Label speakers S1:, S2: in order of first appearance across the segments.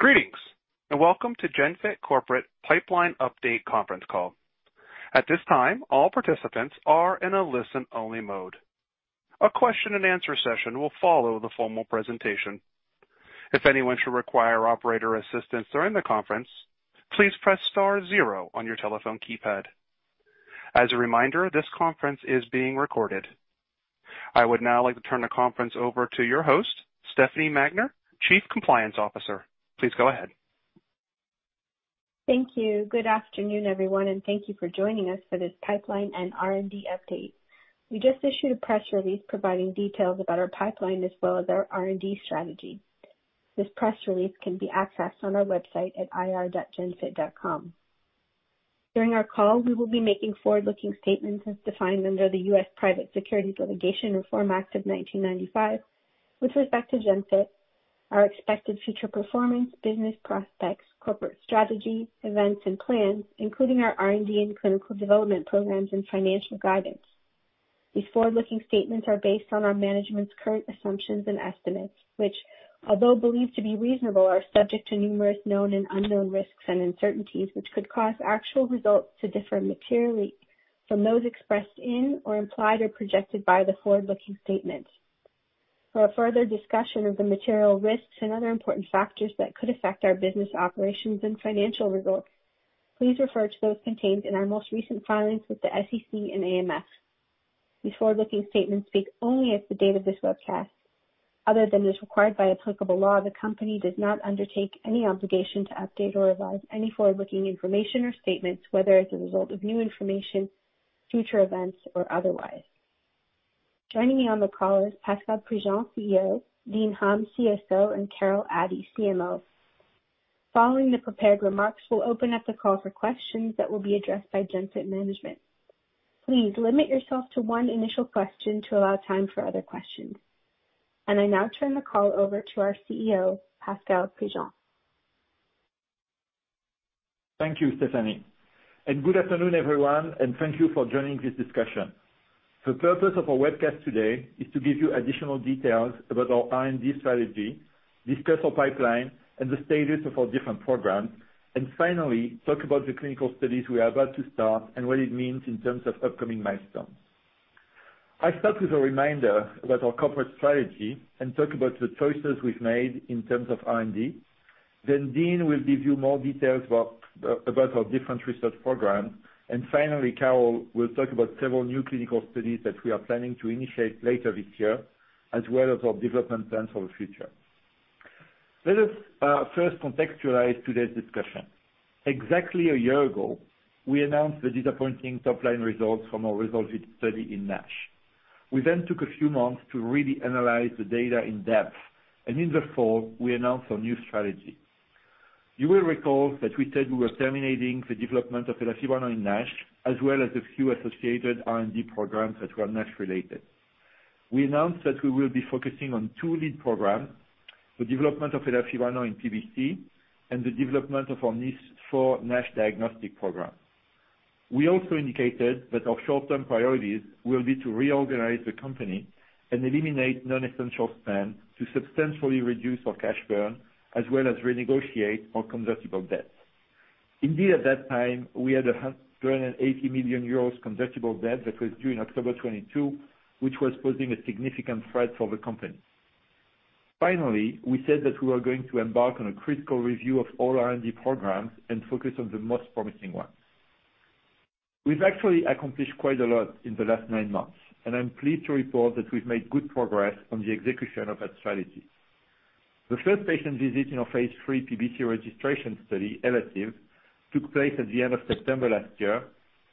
S1: Greetings, welcome to Genfit Corporate Pipeline Update Conference Call. At this time, all participants are in a listen-only mode. A question and answer session will follow the formal presentation. If anyone should require operator assistance during the conference, please press star zero on your telephone keypad. As a reminder, this conference is being recorded. I would now like to turn the conference over to your host, Stefanie Magner, Chief Compliance Officer. Please go ahead.
S2: Thank you. Good afternoon, everyone, and thank you for joining us for this pipeline and R&D update. We just issued a press release providing details about our pipeline as well as our R&D strategy. This press release can be accessed on our website at ir.genfit.com. During our call, we will be making forward-looking statements as defined under the U.S. Private Securities Litigation Reform Act of 1995 with respect to Genfit, our expected future performance, business prospects, corporate strategy, events, and plans, including our R&D and clinical development programs and financial guidance. These forward-looking statements are based on our management's current assumptions and estimates, which although believed to be reasonable, are subject to numerous known and unknown risks and uncertainties, which could cause actual results to differ materially from those expressed in or implied or projected by the forward-looking statements. For a further discussion of the material risks and other important factors that could affect our business operations and financial results, please refer to those contained in our most recent filings with the SEC and AMF. These forward-looking statements speak only as of the date of this webcast. Other than as required by applicable law, the company does not undertake any obligation to update or revise any forward-looking information or statements, whether as a result of new information, future events, or otherwise. Joining me on the call is Pascal Prigent, CEO, Dean Hum, CSO, and Carol Addy, CMO. Following the prepared remarks, we'll open up the call for questions that will be addressed by Genfit management. Please limit yourself to one initial question to allow time for other questions. I now turn the call over to our CEO, Pascal Prigent.
S3: Thank you, Stefanie, and good afternoon, everyone, and thank you for joining this discussion. The purpose of our webcast today is to give you additional details about our R&D strategy, discuss our pipeline and the status of our different programs, and finally, talk about the clinical studies we are about to start and what it means in terms of upcoming milestones. I'll start with a reminder about our corporate strategy and talk about the choices we've made in terms of R&D. Dean will give you more details about our different research programs. Finally, Carol will talk about several new clinical studies that we are planning to initiate later this year, as well as our development plans for the future. Let us first contextualize today's discussion. Exactly a year ago, we announced the disappointing top-line results from our RESOLVE-IT study in NASH. We then took a few months to really analyze the data in depth. In the fall, we announced our new strategy. You will recall that we said we were terminating the development of elafibranor in NASH, as well as a few associated R&D programs that were NASH-related. We announced that we will be focusing on two lead programs, the development of elafibranor in PBC, and the development of our NIS4 NASH diagnostic program. We also indicated that our short-term priorities will be to reorganize the company and eliminate non-essential spend to substantially reduce our cash burn, as well as renegotiate our convertible debt. At that time, we had 180 million euros convertible debt that was due in October 2022, which was posing a significant threat for the company. Finally, we said that we were going to embark on a critical review of all R&D programs and focus on the most promising ones. We've actually accomplished quite a lot in the last nine months, and I'm pleased to report that we've made good progress on the execution of that strategy. The first patient visit in our phase III PBC registration study, ELATIVE, took place at the end of September last year,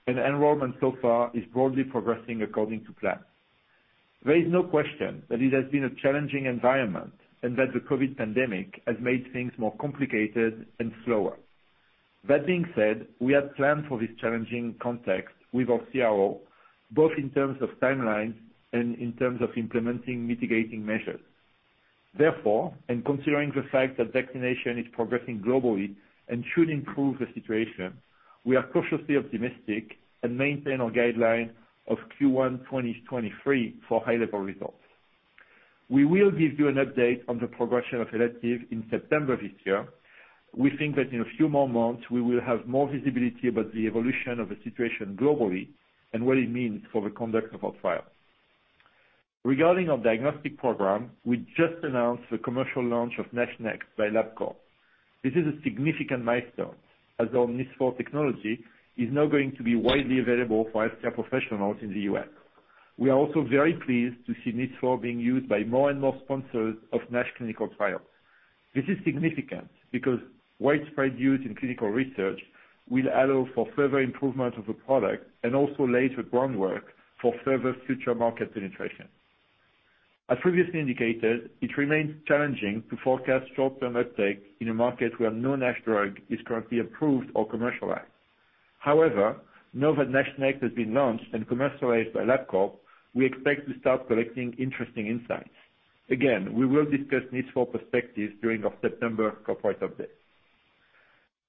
S3: and enrollment so far is broadly progressing according to plan. There is no question that it has been a challenging environment and that the COVID pandemic has made things more complicated and slower. That being said, we had planned for this challenging context with our CRO, both in terms of timelines and in terms of implementing mitigating measures. Therefore, considering the fact that vaccination is progressing globally and should improve the situation, we are cautiously optimistic and maintain our guideline of Q1 2023 for high-level results. We will give you an update on the progression of ELATIVE in September this year. We think that in a few more months, we will have more visibility about the evolution of the situation globally and what it means for the conduct of our trial. Regarding our diagnostic program, we just announced the commercial launch of NASHnext by Labcorp. This is a significant milestone, as our NIS4 technology is now going to be widely available for healthcare professionals in the U.S. We are also very pleased to see NIS4 being used by more and more sponsors of NASH clinical trials. This is significant because widespread use in clinical research will allow for further improvement of the product and also lay the groundwork for further future market penetration. As previously indicated, it remains challenging to forecast short-term uptake in a market where no NASH drug is currently approved or commercialized. Now that NASHnext has been launched and commercialized by Labcorp, we expect to start collecting interesting insights. We will discuss NIS4 perspectives during our September corporate update.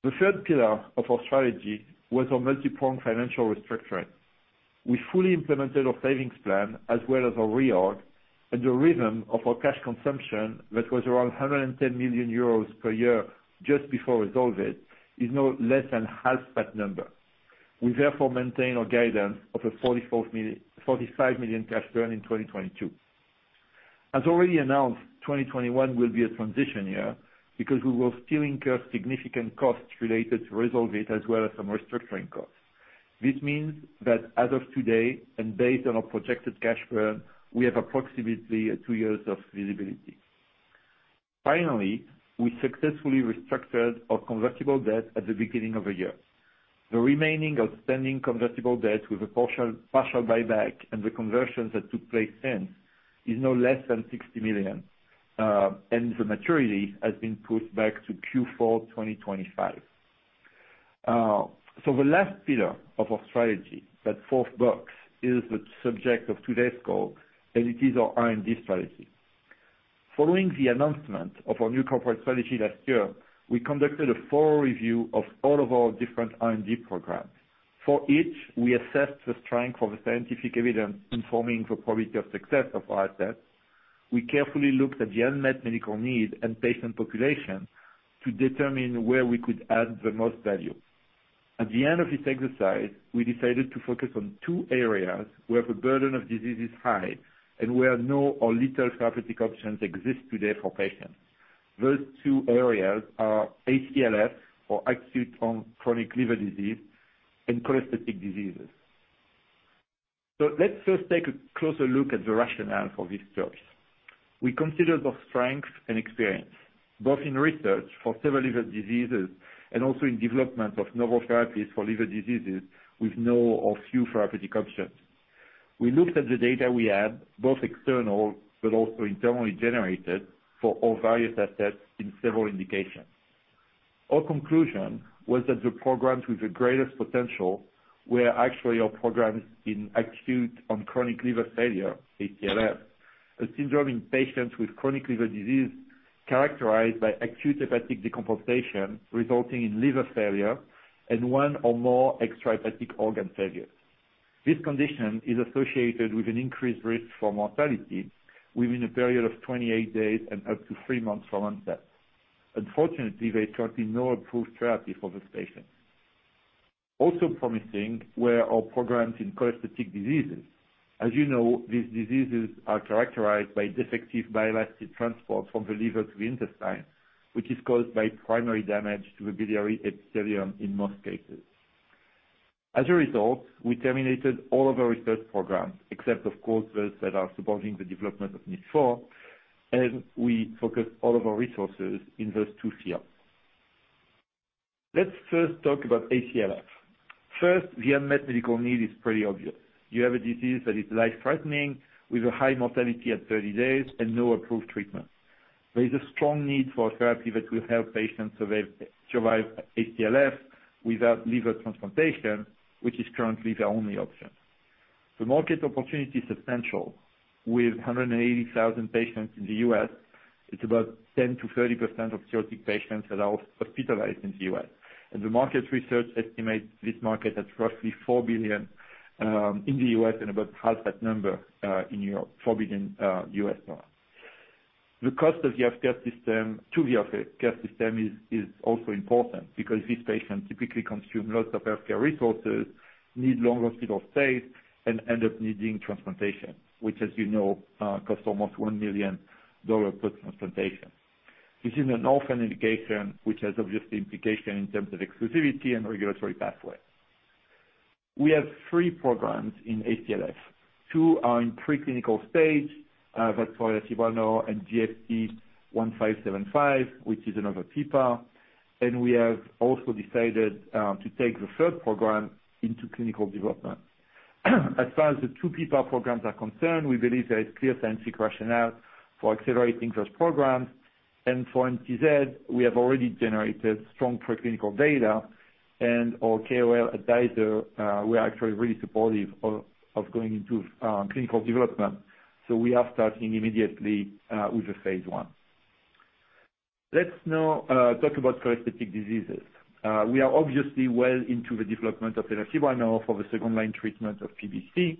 S3: The third pillar of our strategy was our multi-pronged financial restructuring. We fully implemented our savings plan as well as our reorg, and the rhythm of our cash consumption that was around 110 million euros per year just before RESOLVE-IT is now less than half that number. We therefore maintain our guidance of a 45 million cash burn in 2022. As already announced, 2021 will be a transition year because we will still incur significant costs related to RESOLVE-IT as well as some restructuring costs. This means that as of today, and based on our projected cash burn, we have approximately two years of visibility. Finally, we successfully restructured our convertible debt at the beginning of the year. The remaining outstanding convertible debt with a partial buyback and the conversions that took place then is now less than 60 million, and the maturity has been pushed back to Q4 2025. The last pillar of our strategy, that fourth box, is the subject of today's call, and it is our R&D strategy. Following the announcement of our new corporate strategy last year, we conducted a full review of all of our different R&D programs. For each, we assessed the strength of the scientific evidence informing the probability of success of our assets. We carefully looked at the unmet medical need and patient population to determine where we could add the most value. At the end of this exercise, we decided to focus on two areas where the burden of disease is high and where no or little therapeutic options exist today for patients. Those two areas are ACLF, or acute-on-chronic liver disease, and cholestatic diseases. Let's first take a closer look at the rationale for this choice. We considered our strength and experience, both in research for several liver diseases and also in development of novel therapies for liver diseases with no or few therapeutic options. We looked at the data we had, both external but also internally generated, for all various assets in several indications. Our conclusion was that the programs with the greatest potential were actually our programs in acute-on-chronic liver failure, ACLF, a syndrome in patients with chronic liver disease characterized by acute hepatic decompensation resulting in liver failure and one or more extrahepatic organ failures. This condition is associated with an increased risk for mortality within a period of 28 days and up to three months from onset. Unfortunately, there is currently no approved therapy for this patient. Also promising were our programs in cholestatic diseases. As you know, these diseases are characterized by defective bile acid transport from the liver to the intestine, which is caused by primary damage to the biliary epithelium in most cases. As a result, we terminated all of our research programs, except of course, those that are supporting the development of NIS4, and we focused all of our resources in those two fields. Let's first talk about ACLF. First, the unmet medical need is pretty obvious. You have a disease that is life-threatening with a high mortality at 30 days and no approved treatment. There is a strong need for a therapy that will help patients survive ACLF without liver transplantation, which is currently the only option. The market opportunity is substantial with 180,000 patients in the U.S. It's about 10%-30% of cirrhotic patients that are hospitalized in the U.S. The market research estimates this market at roughly 4 billion in the U.S. and about half that number in Europe, $4 billion. The cost to the healthcare system is also important because these patients typically consume lots of healthcare resources, need longer hospital stays, and end up needing transplantation, which, as you know, costs almost $1 million per transplantation. This is an orphan indication, which has obvious implications in terms of exclusivity and regulatory pathway. We have three programs in ACLF. Two are in pre-clinical stage. That's for elafibranor and GFT1575, which is another PPAR. We have also decided to take the third program into clinical development. As far as the two PPAR programs are concerned, we believe there is clear scientific rationale for accelerating those programs. For NTZ, we have already generated strong pre-clinical data, and our KOL advisor was actually really supportive of going into clinical development. We are starting immediately with the phase I. Let's now talk about cholestatic diseases. We are obviously well into the development of elafibranor for the second-line treatment of PBC.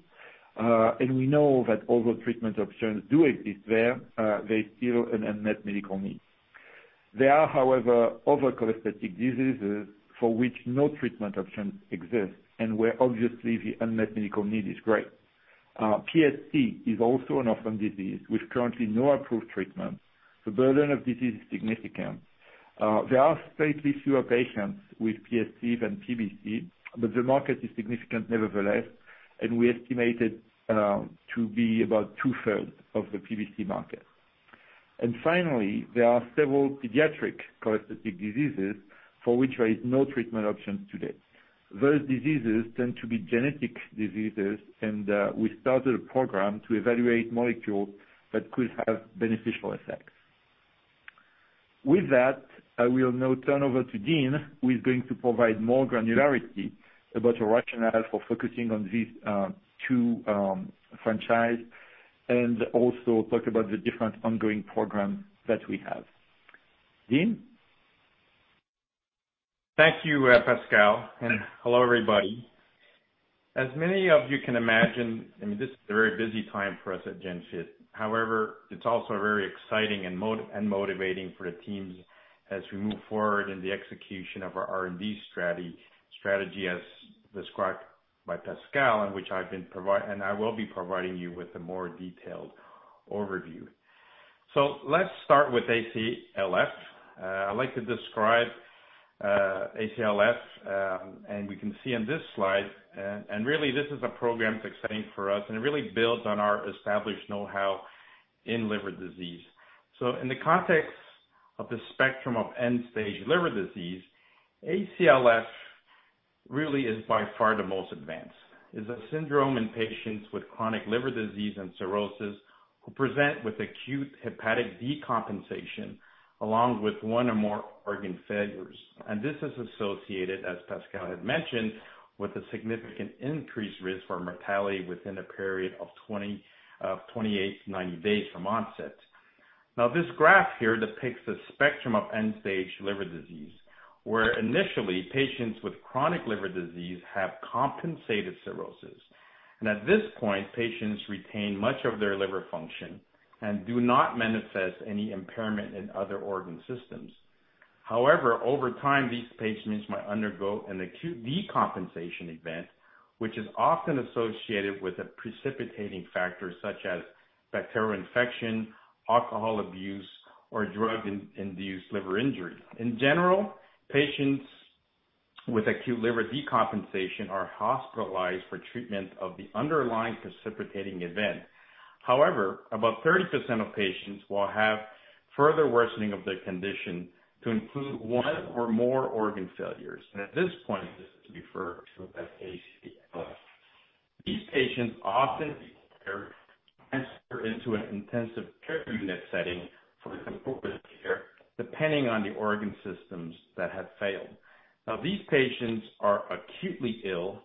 S3: We know that although treatment options do exist there is still an unmet medical need. There are, however, other cholestatic diseases for which no treatment option exists and where obviously the unmet medical need is great. PSC is also an orphan disease with currently no approved treatment. The burden of disease is significant. There are slightly fewer patients with PSC than PBC, but the market is significant nevertheless, and we estimate it to be about two-thirds of the PBC market. Finally, there are several pediatric cholestatic diseases for which there is no treatment option to date. Those diseases tend to be genetic diseases, and we started a program to evaluate molecules that could have beneficial effects. With that, I will now turn over to Dean, who is going to provide more granularity about the rationale for focusing on these two franchises and also talk about the different ongoing programs that we have. Dean?
S4: Thank you, Pascal, and hello, everybody. As many of you can imagine, this is a very busy time for us at Genfit. However, it's also very exciting and motivating for the teams as we move forward in the execution of our R&D strategy, as described by Pascal, and which I will be providing you with a more detailed overview. Let's start with ACLF. I'd like to describe ACLF, and we can see on this slide, and really this is a program that's exciting for us, and it really builds on our established knowhow in liver disease. In the context of the spectrum of end-stage liver disease, ACLF really is by far the most advanced. It's a syndrome in patients with chronic liver disease and cirrhosis who present with acute hepatic decompensation, along with one or more organ failures. This is associated, as Pascal had mentioned, with a significant increased risk for mortality within a period of 28 to 90 days from onset. This graph here depicts a spectrum of end-stage liver disease, where initially, patients with chronic liver disease have compensated cirrhosis. At this point, patients retain much of their liver function and do not manifest any impairment in other organ systems. However, over time, these patients might undergo an acute decompensation event, which is often associated with a precipitating factor such as bacterial infection, alcohol abuse, or drug-induced liver injury. In general, patients with acute liver decompensation are hospitalized for treatment of the underlying precipitating event. However, about 30% of patients will have further worsening of their condition to include one or more organ failures. At this point, this is referred to as ACLF. These patients often require transfer into an intensive care unit setting for comprehensive care, depending on the organ systems that have failed. These patients are acutely ill,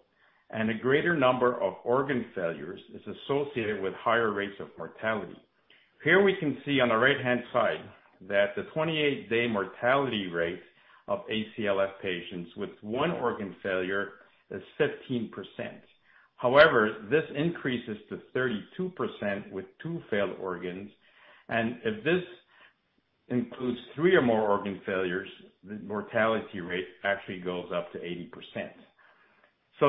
S4: a greater number of organ failures is associated with higher rates of mortality. Here we can see on the right-hand side that the 28-day mortality rate of ACLF patients with one organ failure is 15%. This increases to 32% with two failed organs, if this includes three or more organ failures, the mortality rate actually goes up to 80%.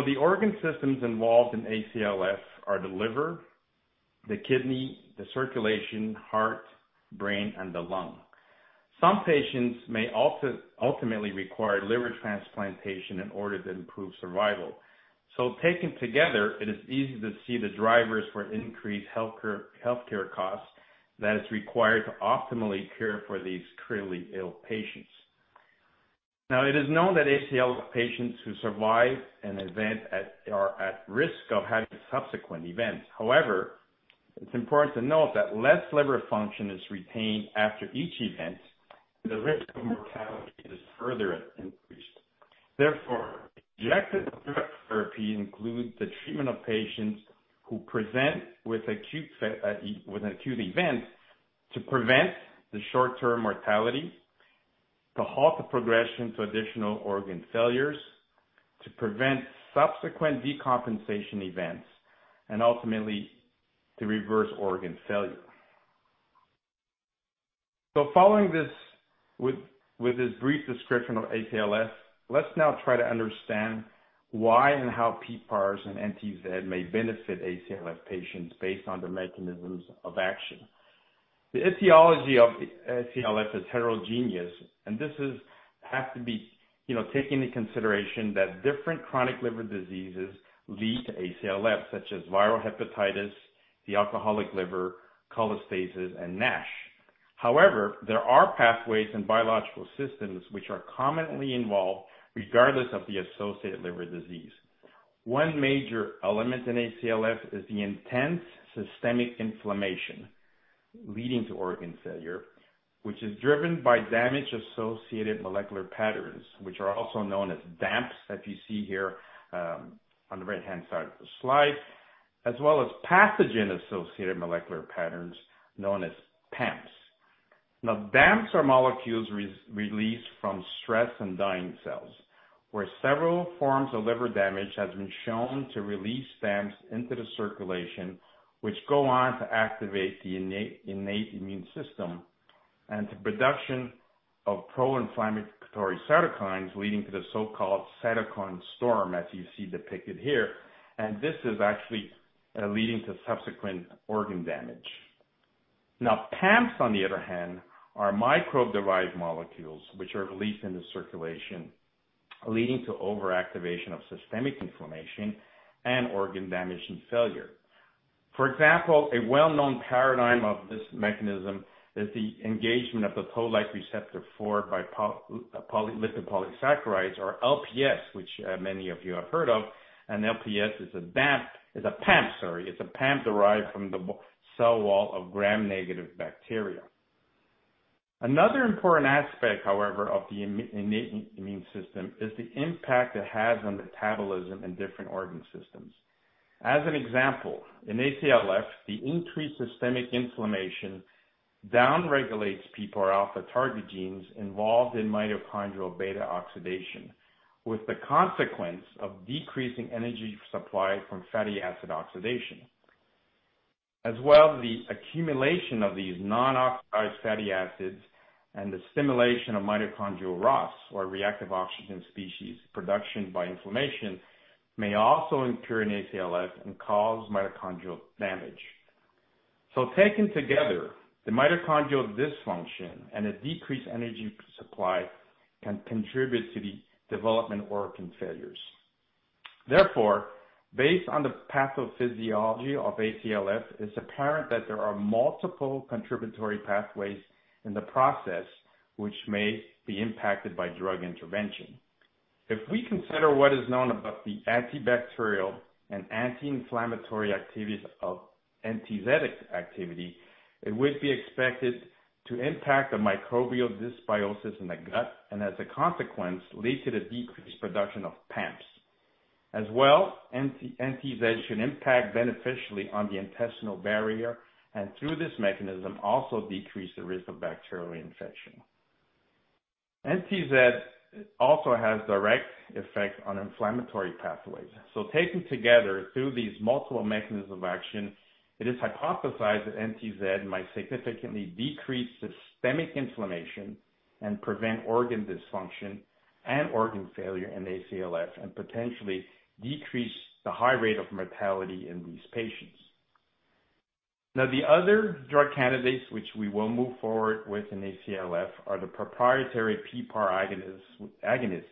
S4: The organ systems involved in ACLF are the liver, the kidney, the circulation, heart, brain, and the lung. Some patients may ultimately require liver transplantation in order to improve survival. Taken together, it is easy to see the drivers for increased healthcare costs that is required to optimally care for these critically ill patients. It is known that ACLF patients who survive an event are at risk of having subsequent events. It's important to note that less liver function is retained after each event, the risk of mortality is further increased. The objective of therapy includes the treatment of patients who present with an acute event to prevent the short-term mortality, to halt the progression to additional organ failures, to prevent subsequent decompensation events, and ultimately, to reverse organ failure. Following with this brief description of ACLF, let's now try to understand why and how PPARs and NTZ may benefit ACLF patients based on the mechanisms of action. The etiology of ACLF is heterogeneous, this has to be taken into consideration that different chronic liver diseases lead to ACLF, such as viral hepatitis, the alcoholic liver, cholestasis, and NASH. However, there are pathways and biological systems which are commonly involved regardless of the associated liver disease. One major element in ACLF is the intense systemic inflammation leading to organ failure, which is driven by damage-associated molecular patterns, which are also known as DAMPs, as you see here on the right-hand side of the slide, as well as pathogen-associated molecular patterns, known as PAMPs. DAMPs are molecules released from stressed and dying cells, where several forms of liver damage has been shown to release DAMPs into the circulation, which go on to activate the innate immune system, and to production of pro-inflammatory cytokines leading to the so-called cytokine storm, as you see depicted here. This is actually leading to subsequent organ damage. PAMPs, on the other hand, are microbe-derived molecules which are released into circulation, leading to overactivation of systemic inflammation and organ damage and failure. For example, a well-known paradigm of this mechanism is the engagement of the Toll-like receptor 4 by lipopolysaccharides, or LPS, which many of you have heard of. An LPS is a DAMP, is a PAMP, sorry, it's a PAMP derived from the cell wall of Gram-negative bacteria. Another important aspect, however, of the innate immune system is the impact it has on metabolism in different organ systems. As an example, in ACLF, the increased systemic inflammation down-regulates PPAR alpha target genes involved in mitochondrial beta-oxidation, with the consequence of decreasing energy supply from fatty acid oxidation. As well, the accumulation of these non-oxidized fatty acids and the stimulation of mitochondrial ROS, or reactive oxygen species, production by inflammation may also occur in ACLF and cause mitochondrial damage. Taken together, the mitochondrial dysfunction and a decreased energy supply can contribute to the development of organ failures. Therefore, based on the pathophysiology of ACLF, it's apparent that there are multiple contributory pathways in the process which may be impacted by drug intervention. If we consider what is known about the antibacterial and anti-inflammatory activities of NTZ activity, it would be expected to impact the microbial dysbiosis in the gut, and as a consequence, lead to the decreased production of PAMPs. As well, NTZ should impact beneficially on the intestinal barrier, and through this mechanism, also decrease the risk of bacterial infection. NTZ also has direct effects on inflammatory pathways. Taken together through these multiple mechanisms of action, it is hypothesized that NTZ might significantly decrease systemic inflammation and prevent organ dysfunction and organ failure in ACLF, and potentially decrease the high rate of mortality in these patients. The other drug candidates which we will move forward with in ACLF are the proprietary PPAR agonists,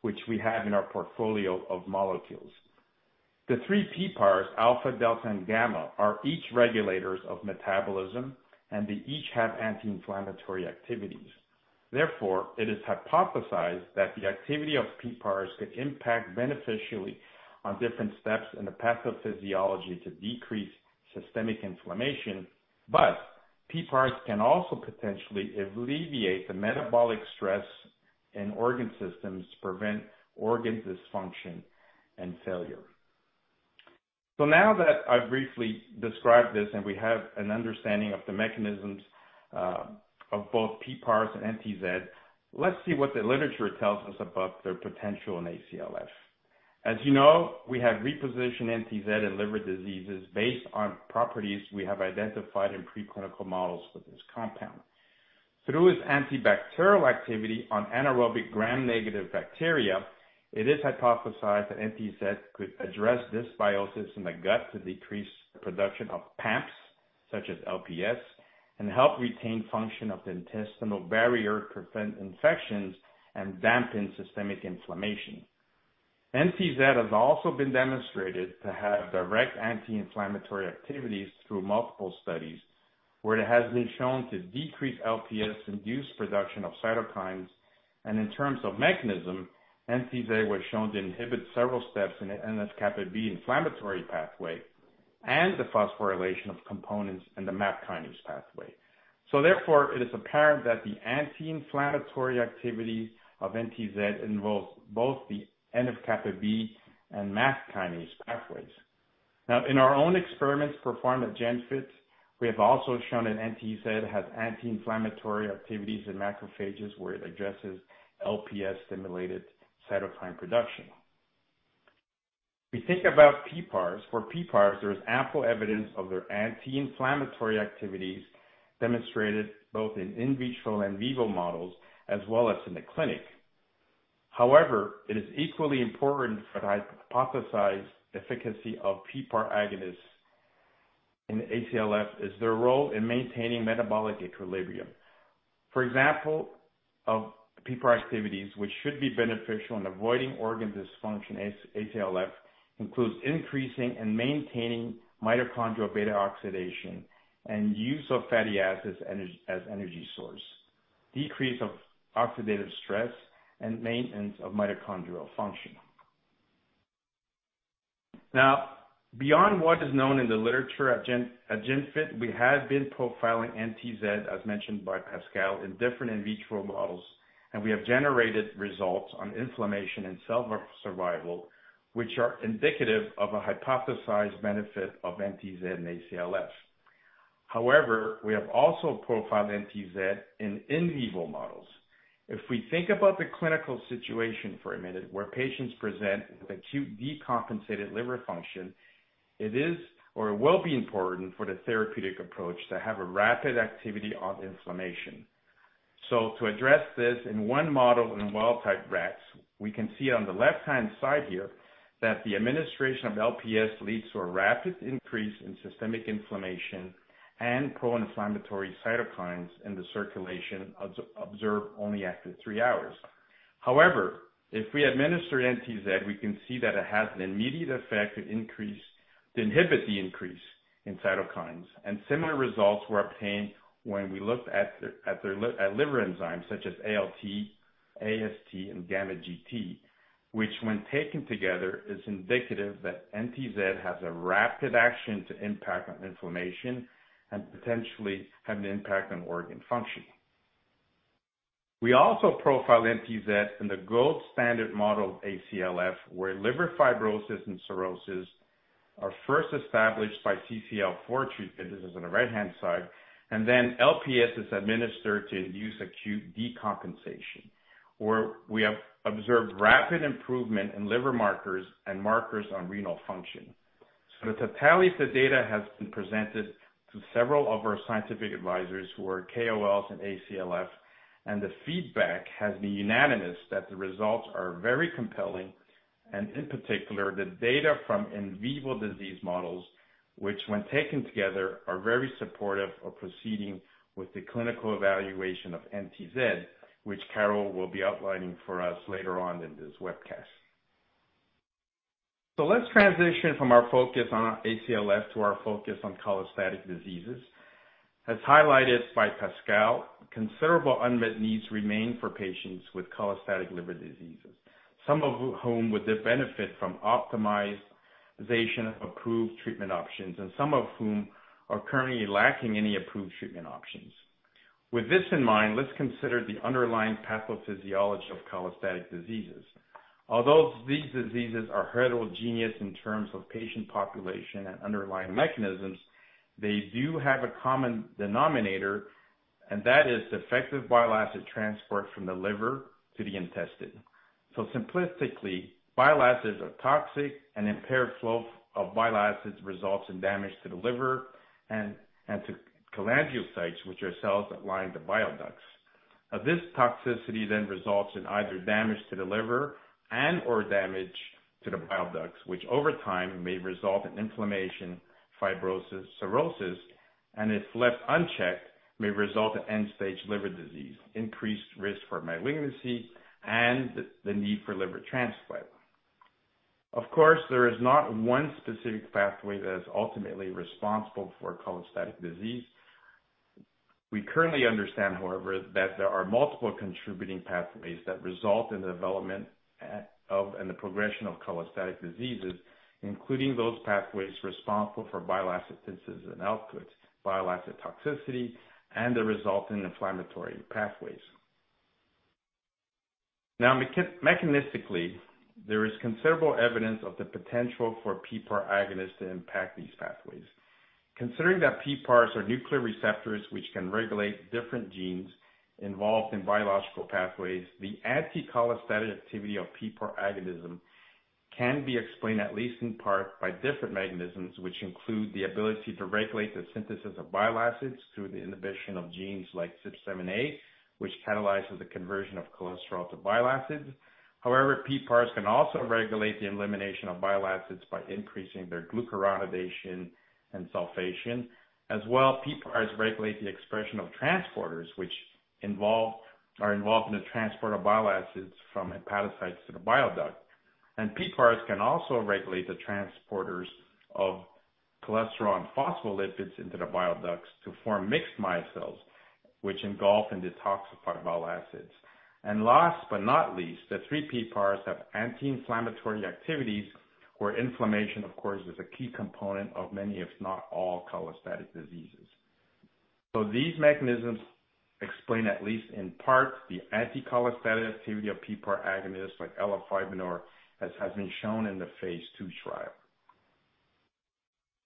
S4: which we have in our portfolio of molecules. The three PPARs, Alpha, Delta, and Gamma, are each regulators of metabolism, and they each have anti-inflammatory activities. Therefore, it is hypothesized that the activity of PPARs could impact beneficially on different steps in the pathophysiology to decrease systemic inflammation. PPARs can also potentially alleviate the metabolic stress in organ systems to prevent organ dysfunction and failure. Now that I've briefly described this and we have an understanding of the mechanisms of both PPARs and NTZ, let's see what the literature tells us about their potential in ACLF. As you know, we have repositioned NTZ in liver diseases based on properties we have identified in pre-clinical models with this compound. Through its antibacterial activity on anaerobic gram-negative bacteria, it is hypothesized that NTZ could address dysbiosis in the gut to decrease production of PAMPs, such as LPS, and help retain function of the intestinal barrier to prevent infections and dampen systemic inflammation. In terms of mechanism, NTZ was shown to inhibit several steps in the NF-kappa B inflammatory pathway and the phosphorylation of components in the MAP kinase pathway. Therefore, it is apparent that the anti-inflammatory activity of NTZ involves both the NF-kappa B and MAP kinase pathways. Now, in our own experiments performed at Genfit, we have also shown that NTZ has anti-inflammatory activities in macrophages where it addresses LPS-stimulated cytokine production. If we think about PPARs, for PPARs, there is ample evidence of their anti-inflammatory activities demonstrated both in in vitro and in vivo models, as well as in the clinic. It is equally important for the hypothesized efficacy of PPAR agonists in ACLF is their role in maintaining metabolic equilibrium. Of PPAR activities which should be beneficial in avoiding organ dysfunction in ACLF includes increasing and maintaining mitochondrial beta-oxidation and use of fatty acids as energy source, decrease of oxidative stress, and maintenance of mitochondrial function. Beyond what is known in the literature, at Genfit, we have been profiling NTZ, as mentioned by Pascal, in different in vitro models, and we have generated results on inflammation and cell survival, which are indicative of a hypothesized benefit of NTZ in ACLF. We have also profiled NTZ in in vivo models. If we think about the clinical situation for a minute where patients present with acute decompensated liver function, it is, or it will be important for the therapeutic approach to have a rapid activity on inflammation. To address this in one model in wild-type rats, we can see on the left-hand side here that the administration of LPS leads to a rapid increase in systemic inflammation and pro-inflammatory cytokines in the circulation observed only after three hours. If we administer NTZ, we can see that it has an immediate effect to inhibit the increase in cytokines, and similar results were obtained when we looked at liver enzymes such as ALT, AST, and gamma GT. Which when taken together, is indicative that NTZ has a rapid action to impact on inflammation and potentially have an impact on organ function. We also profiled NTZ in the gold standard model of ACLF, where liver fibrosis and cirrhosis are first established by CCl4 treatment. This is on the right-hand side. LPS is administered to induce acute decompensation, where we have observed rapid improvement in liver markers and markers on renal function. The totality of the data has been presented to several of our scientific advisors, who are KOLs in ACLF, and the feedback has been unanimous that the results are very compelling and in particular, the data from in vivo disease models, which when taken together, are very supportive of proceeding with the clinical evaluation of NTZ, which Carol will be outlining for us later on in this webcast. Let's transition from our focus on ACLF to our focus on cholestatic diseases. As highlighted by Pascal, considerable unmet needs remain for patients with cholestatic liver diseases, some of whom would benefit from optimization of approved treatment options, and some of whom are currently lacking any approved treatment options. With this in mind, let's consider the underlying pathophysiology of cholestatic diseases. Although these diseases are heterogeneous in terms of patient population and underlying mechanisms, they do have a common denominator, and that is defective bile acid transport from the liver to the intestine. Simplistically, bile acids are toxic and impaired flow of bile acids results in damage to the liver and to cholangiocytes, which are cells that line the bile ducts. This toxicity results in either damage to the liver and/or damage to the bile ducts, which over time may result in inflammation, fibrosis, cirrhosis, and if left unchecked, may result in end-stage liver disease, increased risk for malignancy, and the need for liver transplant. Of course, there is not one specific pathway that is ultimately responsible for cholestatic disease. We currently understand, however, that there are multiple contributing pathways that result in the development of and the progression of cholestatic diseases, including those pathways responsible for bile acid synthesis and output, bile acid toxicity, and the resulting inflammatory pathways. Mechanistically, there is considerable evidence of the potential for PPAR agonists to impact these pathways. Considering that PPARs are nuclear receptors which can regulate different genes involved in biological pathways, the anti-cholestatic activity of PPAR agonism can be explained, at least in part, by different mechanisms, which include the ability to regulate the synthesis of bile acids through the inhibition of genes like CYP7A, which catalyzes the conversion of cholesterol to bile acids. However, PPARs can also regulate the elimination of bile acids by increasing their glucuronidation and sulfation. As well, PPARs regulate the expression of transporters which are involved in the transport of bile acids from hepatocytes to the bile duct. PPARs can also regulate the transporters of cholesterol and phospholipids into the bile ducts to form mixed micelles, which engulf and detoxify bile acids. Last but not least, the three PPARs have anti-inflammatory activities, where inflammation, of course, is a key component of many, if not all, cholestatic diseases. These mechanisms explain, at least in part, the anti-cholestatic activity of PPAR agonists like elafibranor, as has been shown in the phase II trial.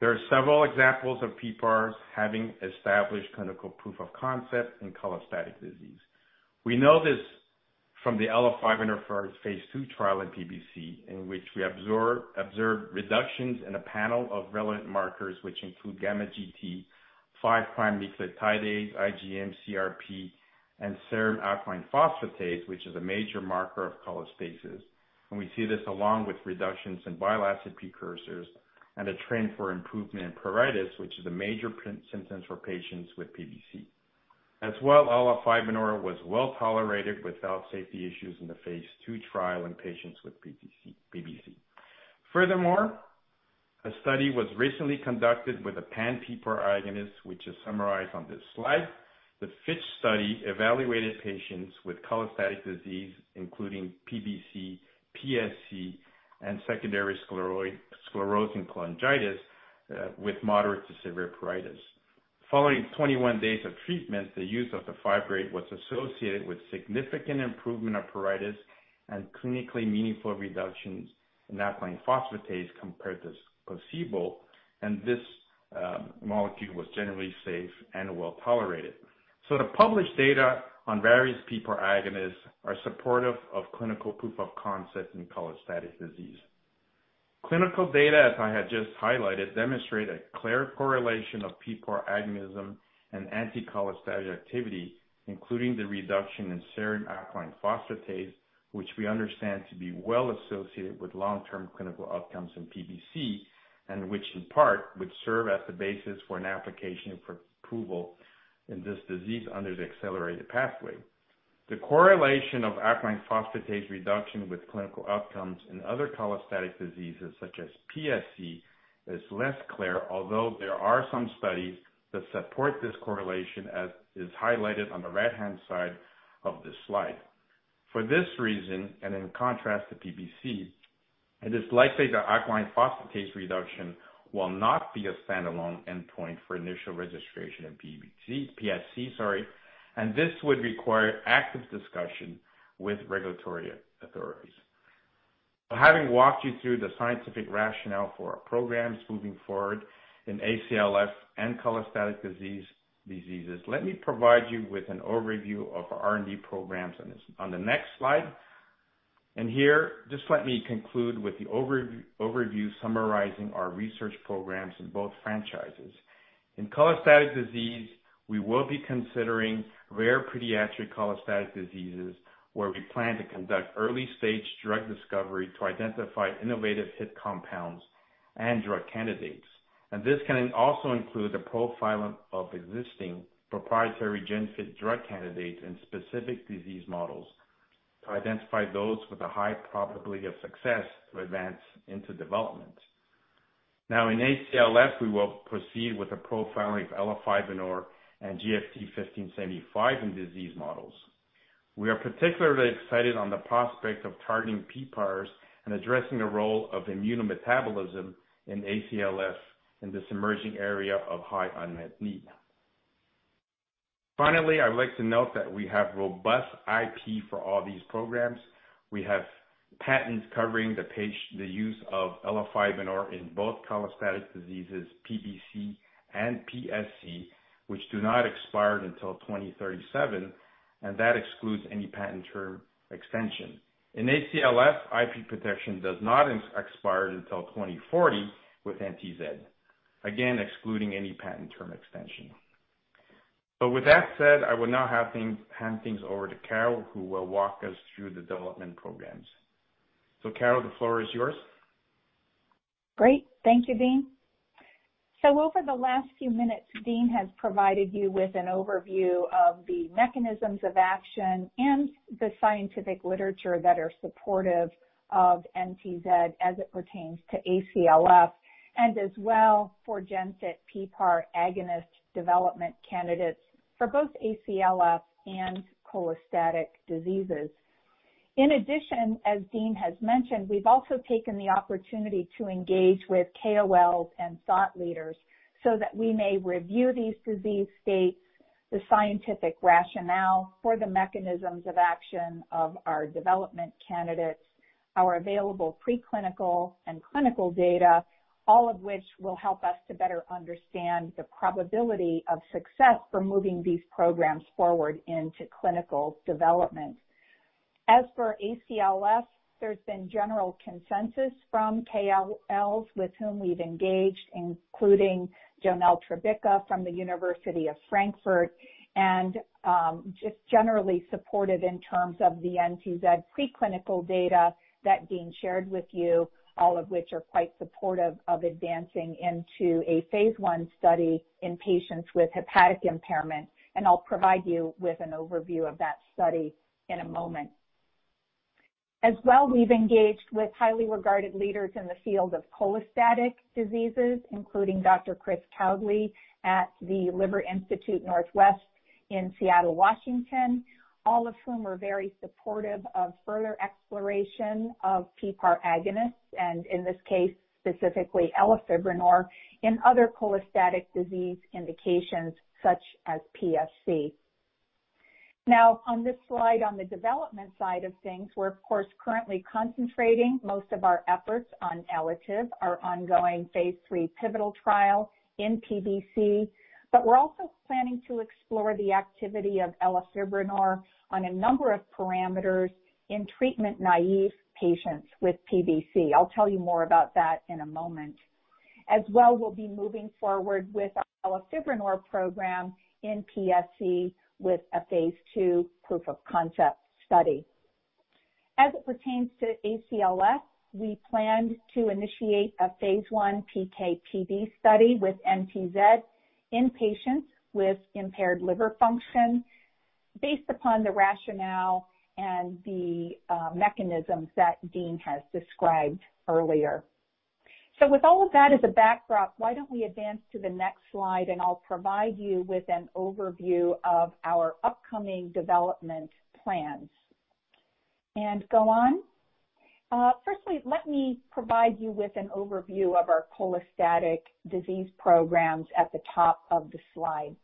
S4: There are several examples of PPARs having established clinical proof of concept in cholestatic disease. We know this from the elafibranor phase II trial in PBC, in which we observed reductions in a panel of relevant markers, which include gamma GT, 5'-nucleotidase, IgM, CRP, and serum alkaline phosphatase, which is a major marker of cholestasis. We see this along with reductions in bile acid precursors and a trend for improvement in pruritus, which is a major symptom for patients with PBC. As well, elafibranor was well-tolerated without safety issues in the phase II trial in patients with PBC. Furthermore, a study was recently conducted with a pan-PPAR agonist, which is summarized on this slide. The FITCH study evaluated patients with cholestatic disease, including PBC, PSC, and secondary sclerosing cholangitis with moderate to severe pruritus. Following 21 days of treatment, the use of the fibrate was associated with significant improvement of pruritus and clinically meaningful reductions in alkaline phosphatase compared to placebo. This molecule was generally safe and well-tolerated. The published data on various PPAR agonists are supportive of clinical proof of concept in cholestatic disease. Clinical data, as I had just highlighted, demonstrate a clear correlation of PPAR agonism and anti-cholestatic activity, including the reduction in serum alkaline phosphatase, which we understand to be well associated with long-term clinical outcomes in PBC, and which in part would serve as the basis for an application for approval in this disease under the accelerated pathway. The correlation of alkaline phosphatase reduction with clinical outcome. In other cholestatic diseases, such as PSC, it is less clear, although there are some studies that support this correlation, as is highlighted on the right-hand side of this slide. For this reason, and in contrast to PBC, it is likely the alkaline phosphatase reduction will not be a standalone endpoint for initial registration in PBC. This would require active discussion with regulatory authorities. Having walked you through the scientific rationale for our programs moving forward in ACLF and cholestatic diseases, let me provide you with an overview of our R&D programs on the next slide. Here, just let me conclude with the overview summarizing our research programs in both franchises. In cholestatic disease, we will be considering rare pediatric cholestatic diseases, where we plan to conduct early-stage drug discovery to identify innovative hit compounds and drug candidates. This can also include the profiling of existing proprietary Genfit drug candidates in specific disease models to identify those with a high probability of success to advance into development. In ACLF, we will proceed with the profiling of elafibranor and GFT1575 in disease models. We are particularly excited on the prospect of targeting PPARs and addressing the role of immunometabolism in ACLF in this emerging area of high unmet need. I would like to note that we have robust IP for all these programs. We have patents covering the use of elafibranor in both cholestatic diseases, PBC and PSC, which do not expire until 2037, and that excludes any patent term extension. In ACLF, IP protection does not expire until 2040 with NTZ, again, excluding any patent term extension. With that said, I will now hand things over to Carol, who will walk us through the development programs. Carol, the floor is yours.
S5: Great. Thank you, Dean. Over the last few minutes, Dean has provided you with an overview of the mechanisms of action and the scientific literature that are supportive of NTZ as it pertains to ACLF, and as well for Genfit PPAR agonist development candidates for both ACLF and cholestatic diseases. In addition, as Dean has mentioned, we've also taken the opportunity to engage with KOLs and thought leaders so that we may review these disease states, the scientific rationale for the mechanisms of action of our development candidates, our available preclinical and clinical data, all of which will help us to better understand the probability of success for moving these programs forward into clinical development. As for ACLF, there's been general consensus from KOLs with whom we've engaged, including Jonel Trebicka from the University of Frankfurt, and just generally supported in terms of the NTZ preclinical data that Dean shared with you, all of which are quite supportive of advancing into a phase I study in patients with hepatic impairment. I'll provide you with an overview of that study in a moment. We've engaged with highly regarded leaders in the field of cholestatic diseases, including Dr. Christopher Bowlus at the Liver Institute Northwest in Seattle, Washington, all of whom are very supportive of further exploration of PPAR agonists, and in this case, specifically elafibranor in other cholestatic disease indications such as PSC. On this slide, on the development side of things, we're of course, currently concentrating most of our efforts on ELATIVE, our ongoing phase III pivotal trial in PBC. We're also planning to explore the activity of elafibranor on a number of parameters in treatment-naive patients with PBC. I'll tell you more about that in a moment. As well, we'll be moving forward with our elafibranor program in PSC with a phase II proof of concept study. As it pertains to ACLF, we plan to initiate a phase I PK/PD study with NTZ in patients with impaired liver function based upon the rationale and the mechanisms that Dean has described earlier. With all of that as a backdrop, why don't we advance to the next slide, and I'll provide you with an overview of our upcoming development plans. Go on. Firstly, let me provide you with an overview of our cholestatic disease programs at the top of the slide.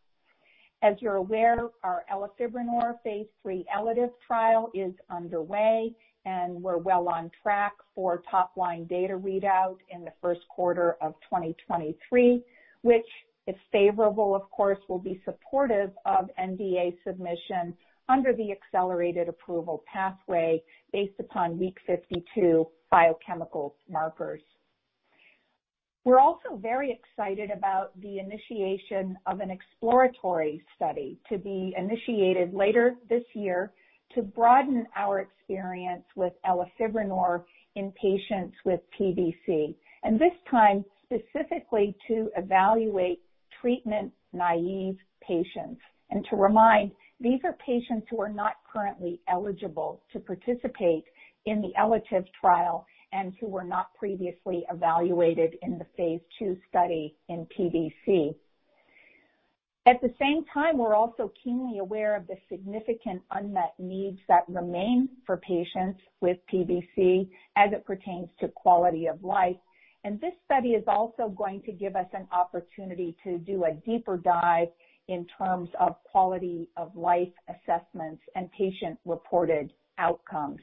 S5: As you're aware, our elafibranor phase III ELATIVE trial is underway, and we're well on track for top-line data readout in the first quarter of 2023, which, if favorable, of course, will be supportive of NDA submission under the accelerated approval pathway based upon week 52 biochemical markers. We're also very excited about the initiation of an exploratory study to be initiated later this year to broaden our experience with elafibranor in patients with PBC, this time specifically to evaluate treatment-naive patients. To remind, these are patients who are not currently eligible to participate in the ELATIVE trial and who were not previously evaluated in the phase II study in PBC. At the same time, we're also keenly aware of the significant unmet needs that remain for patients with PBC as it pertains to quality of life. This study is also going to give us an opportunity to do a deeper dive in terms of quality of life assessments and patient-reported outcomes.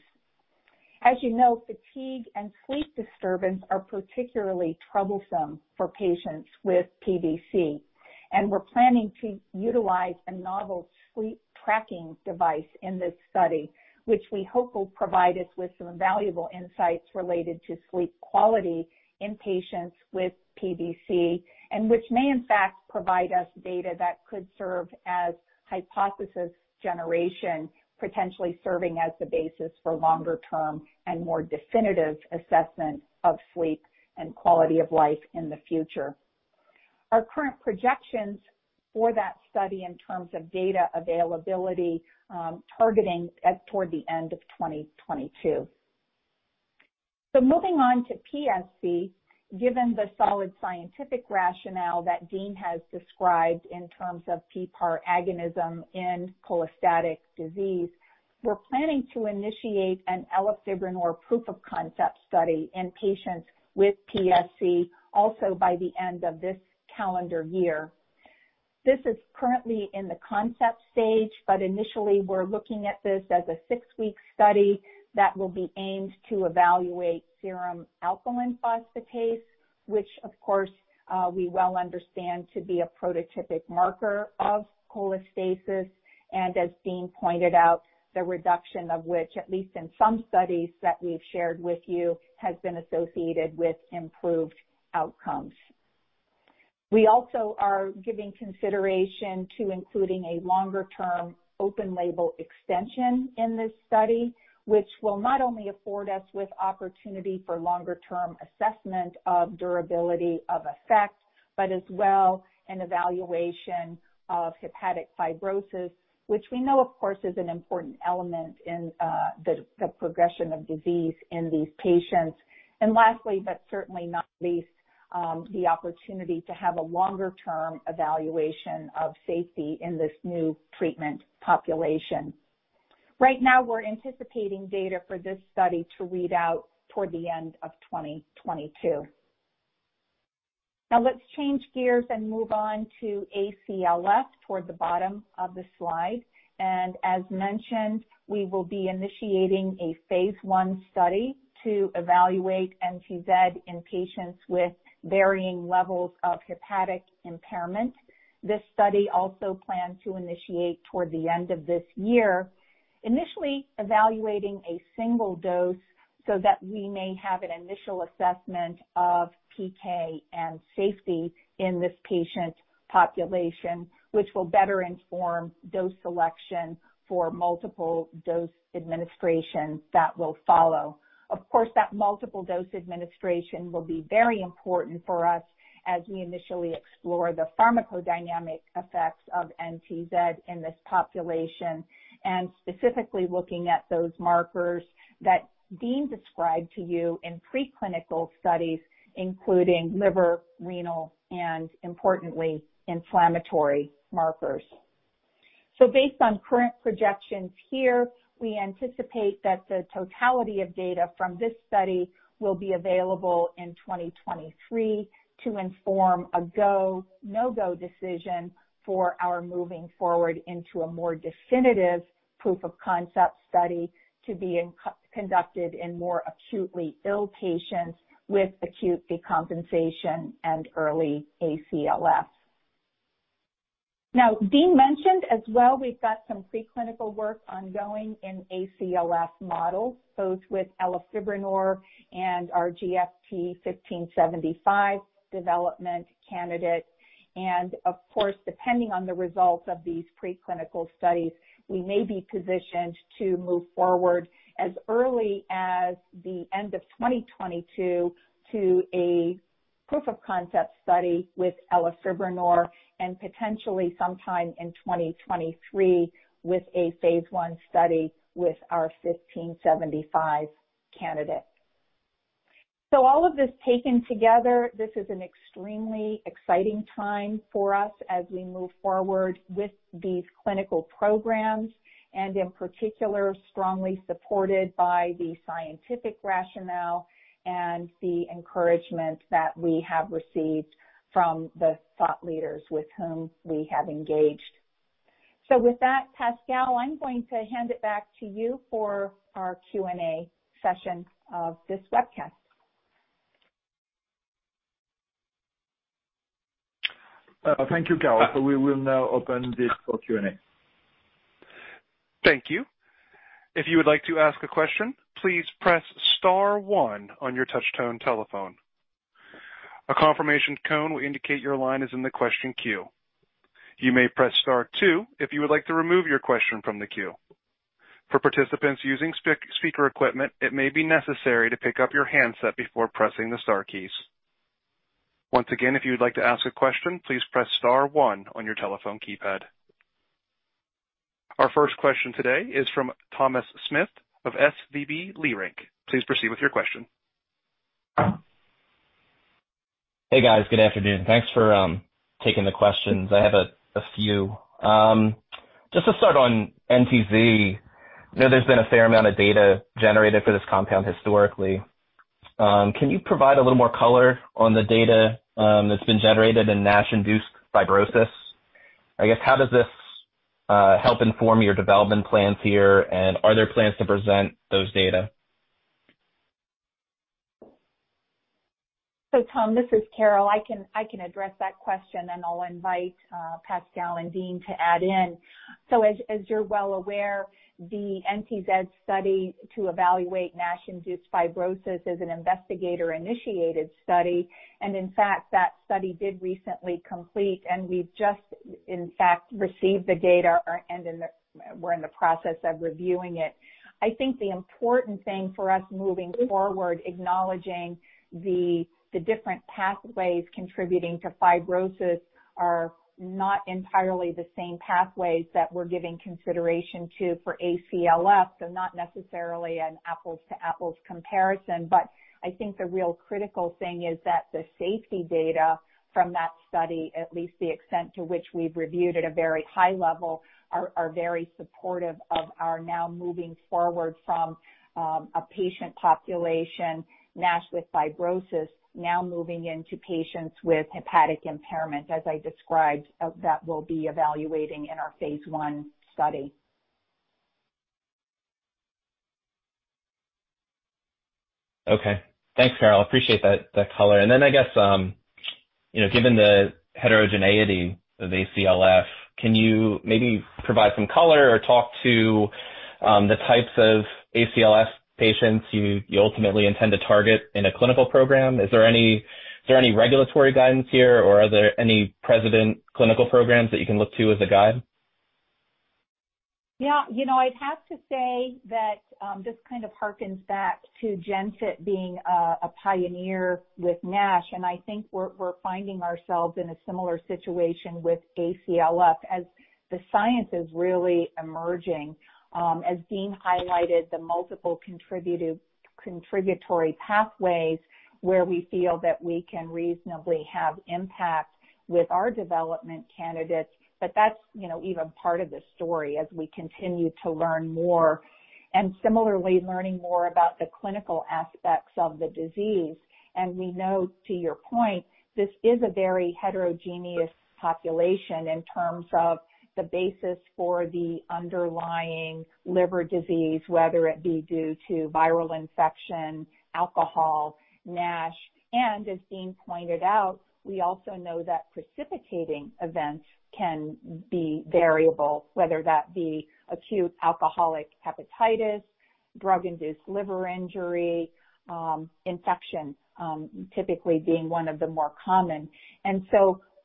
S5: As you know, fatigue and sleep disturbance are particularly troublesome for patients with PBC, and we're planning to utilize a novel sleep tracking device in this study, which we hope will provide us with some valuable insights related to sleep quality in patients with PBC, and which may, in fact, provide us data that could serve as hypothesis generation, potentially serving as the basis for longer-term and more definitive assessment of sleep and quality of life in the future. Our current projections for that study in terms of data availability, targeting toward the end of 2022. Moving on to PSC, given the solid scientific rationale that Dean has described in terms of PPAR agonism in cholestatic disease, we're planning to initiate an elafibranor proof-of-concept study in patients with PSC also by the end of this calendar year. This is currently in the concept stage, but initially, we're looking at this as a six-week study that will be aimed to evaluate serum alkaline phosphatase, which of course, we well understand to be a prototypic marker of cholestasis, and as Dean pointed out, the reduction of which, at least in some studies that we've shared with you, has been associated with improved outcomes. We also are giving consideration to including a longer-term open label extension in this study, which will not only afford us with opportunity for longer-term assessment of durability of effect, but as well an evaluation of hepatic fibrosis, which we know, of course, is an important element in the progression of disease in these patients. Lastly, but certainly not least, the opportunity to have a longer-term evaluation of safety in this new treatment population. Right now, we're anticipating data for this study to read out toward the end of 2022. Let's change gears and move on to ACLF toward the bottom of the slide. As mentioned, we will be initiating a phase I study to evaluate NTZ in patients with varying levels of hepatic impairment. This study also planned to initiate toward the end of this year, initially evaluating a single dose so that we may have an initial assessment of PK and safety in this patient population, which will better inform dose selection for multiple dose administration that will follow. Of course, that multiple dose administration will be very important for us as we initially explore the pharmacodynamic effects of NTZ in this population, and specifically looking at those markers that Dean described to you in preclinical studies, including liver, renal, and importantly, inflammatory markers. Based on current projections here, we anticipate that the totality of data from this study will be available in 2023 to inform a go, no go decision for our moving forward into a more definitive proof-of-concept study to be conducted in more acutely ill patients with acute decompensation and early ACLF. Dean mentioned as well, we've got some preclinical work ongoing in ACLF models, both with elafibranor and our GFT1575 development candidate. Of course, depending on the results of these preclinical studies, we may be positioned to move forward as early as the end of 2022 to a proof-of-concept study with elafibranor and potentially sometime in 2023 with a phase I study with our 1575 candidate. All of this taken together, this is an extremely exciting time for us as we move forward with these clinical programs, and in particular, strongly supported by the scientific rationale and the encouragement that we have received from the thought leaders with whom we have engaged. With that, Pascal, I'm going to hand it back to you for our Q&A session of this webcast.
S3: Thank you, Carol. We will now open this for Q&A.
S1: Thank you. If you would like to ask a question, please press star one on your touch-tone telephone. A confirmation tone will indicate your line is in the question queue. You may press star two if you would like to remove your question from the queue. For participants using speaker equipment, it may be necessary to pick up your handset before pressing the star keys. Once again, if you would like to ask a question, please press star one on your telephone keypad. Our first question today is from Thomas Smith of SVB Leerink. Please proceed with your question.
S6: Hey, guys. Good afternoon. Thanks for taking the questions. I have a few. Just to start on NTZ, I know there's been a fair amount of data generated for this compound historically. Can you provide a little more color on the data that's been generated in NASH-induced fibrosis? I guess, how does this help inform your development plans here, and are there plans to present those data?
S5: Tom, this is Carol. I can address that question, and I'll invite Pascal and Dean to add in. As you're well aware, the NTZ study to evaluate NASH-induced fibrosis is an investigator-initiated study. In fact, that study did recently complete, and we've just, in fact, received the data and we're in the process of reviewing it. I think the important thing for us moving forward, acknowledging the different pathways contributing to fibrosis are not entirely the same pathways that we're giving consideration to for ACLF, so not necessarily an apples to apples comparison. I think the real critical thing is that the safety data from that study, at least the extent to which we've reviewed at a very high level, are very supportive of our now moving forward from a patient population, NASH with fibrosis, now moving into patients with hepatic impairment, as I described, that we'll be evaluating in our phase I study.
S6: Okay. Thanks, Carol. Appreciate that color. I guess, given the heterogeneity of ACLF, can you maybe provide some color or talk to the types of ACLF patients you ultimately intend to target in a clinical program? Is there any regulatory guidance here, or are there any precedent clinical programs that you can look to as a guide?
S5: Yeah. I'd have to say that this kind of harkens back to Genfit being a pioneer with NASH. I think we're finding ourselves in a similar situation with ACLF as the science is really emerging. As Dean highlighted, the multiple contributory pathways where we feel that we can reasonably have impact with our development candidates. That's even part of the story as we continue to learn more and similarly learning more about the clinical aspects of the disease. We know, to your point, this is a very heterogeneous population in terms of the basis for the underlying liver disease, whether it be due to viral infection, alcohol, NASH. As Dean pointed out, we also know that precipitating events can be variable, whether that be acute alcoholic hepatitis, drug-induced liver injury, infection typically being one of the more common.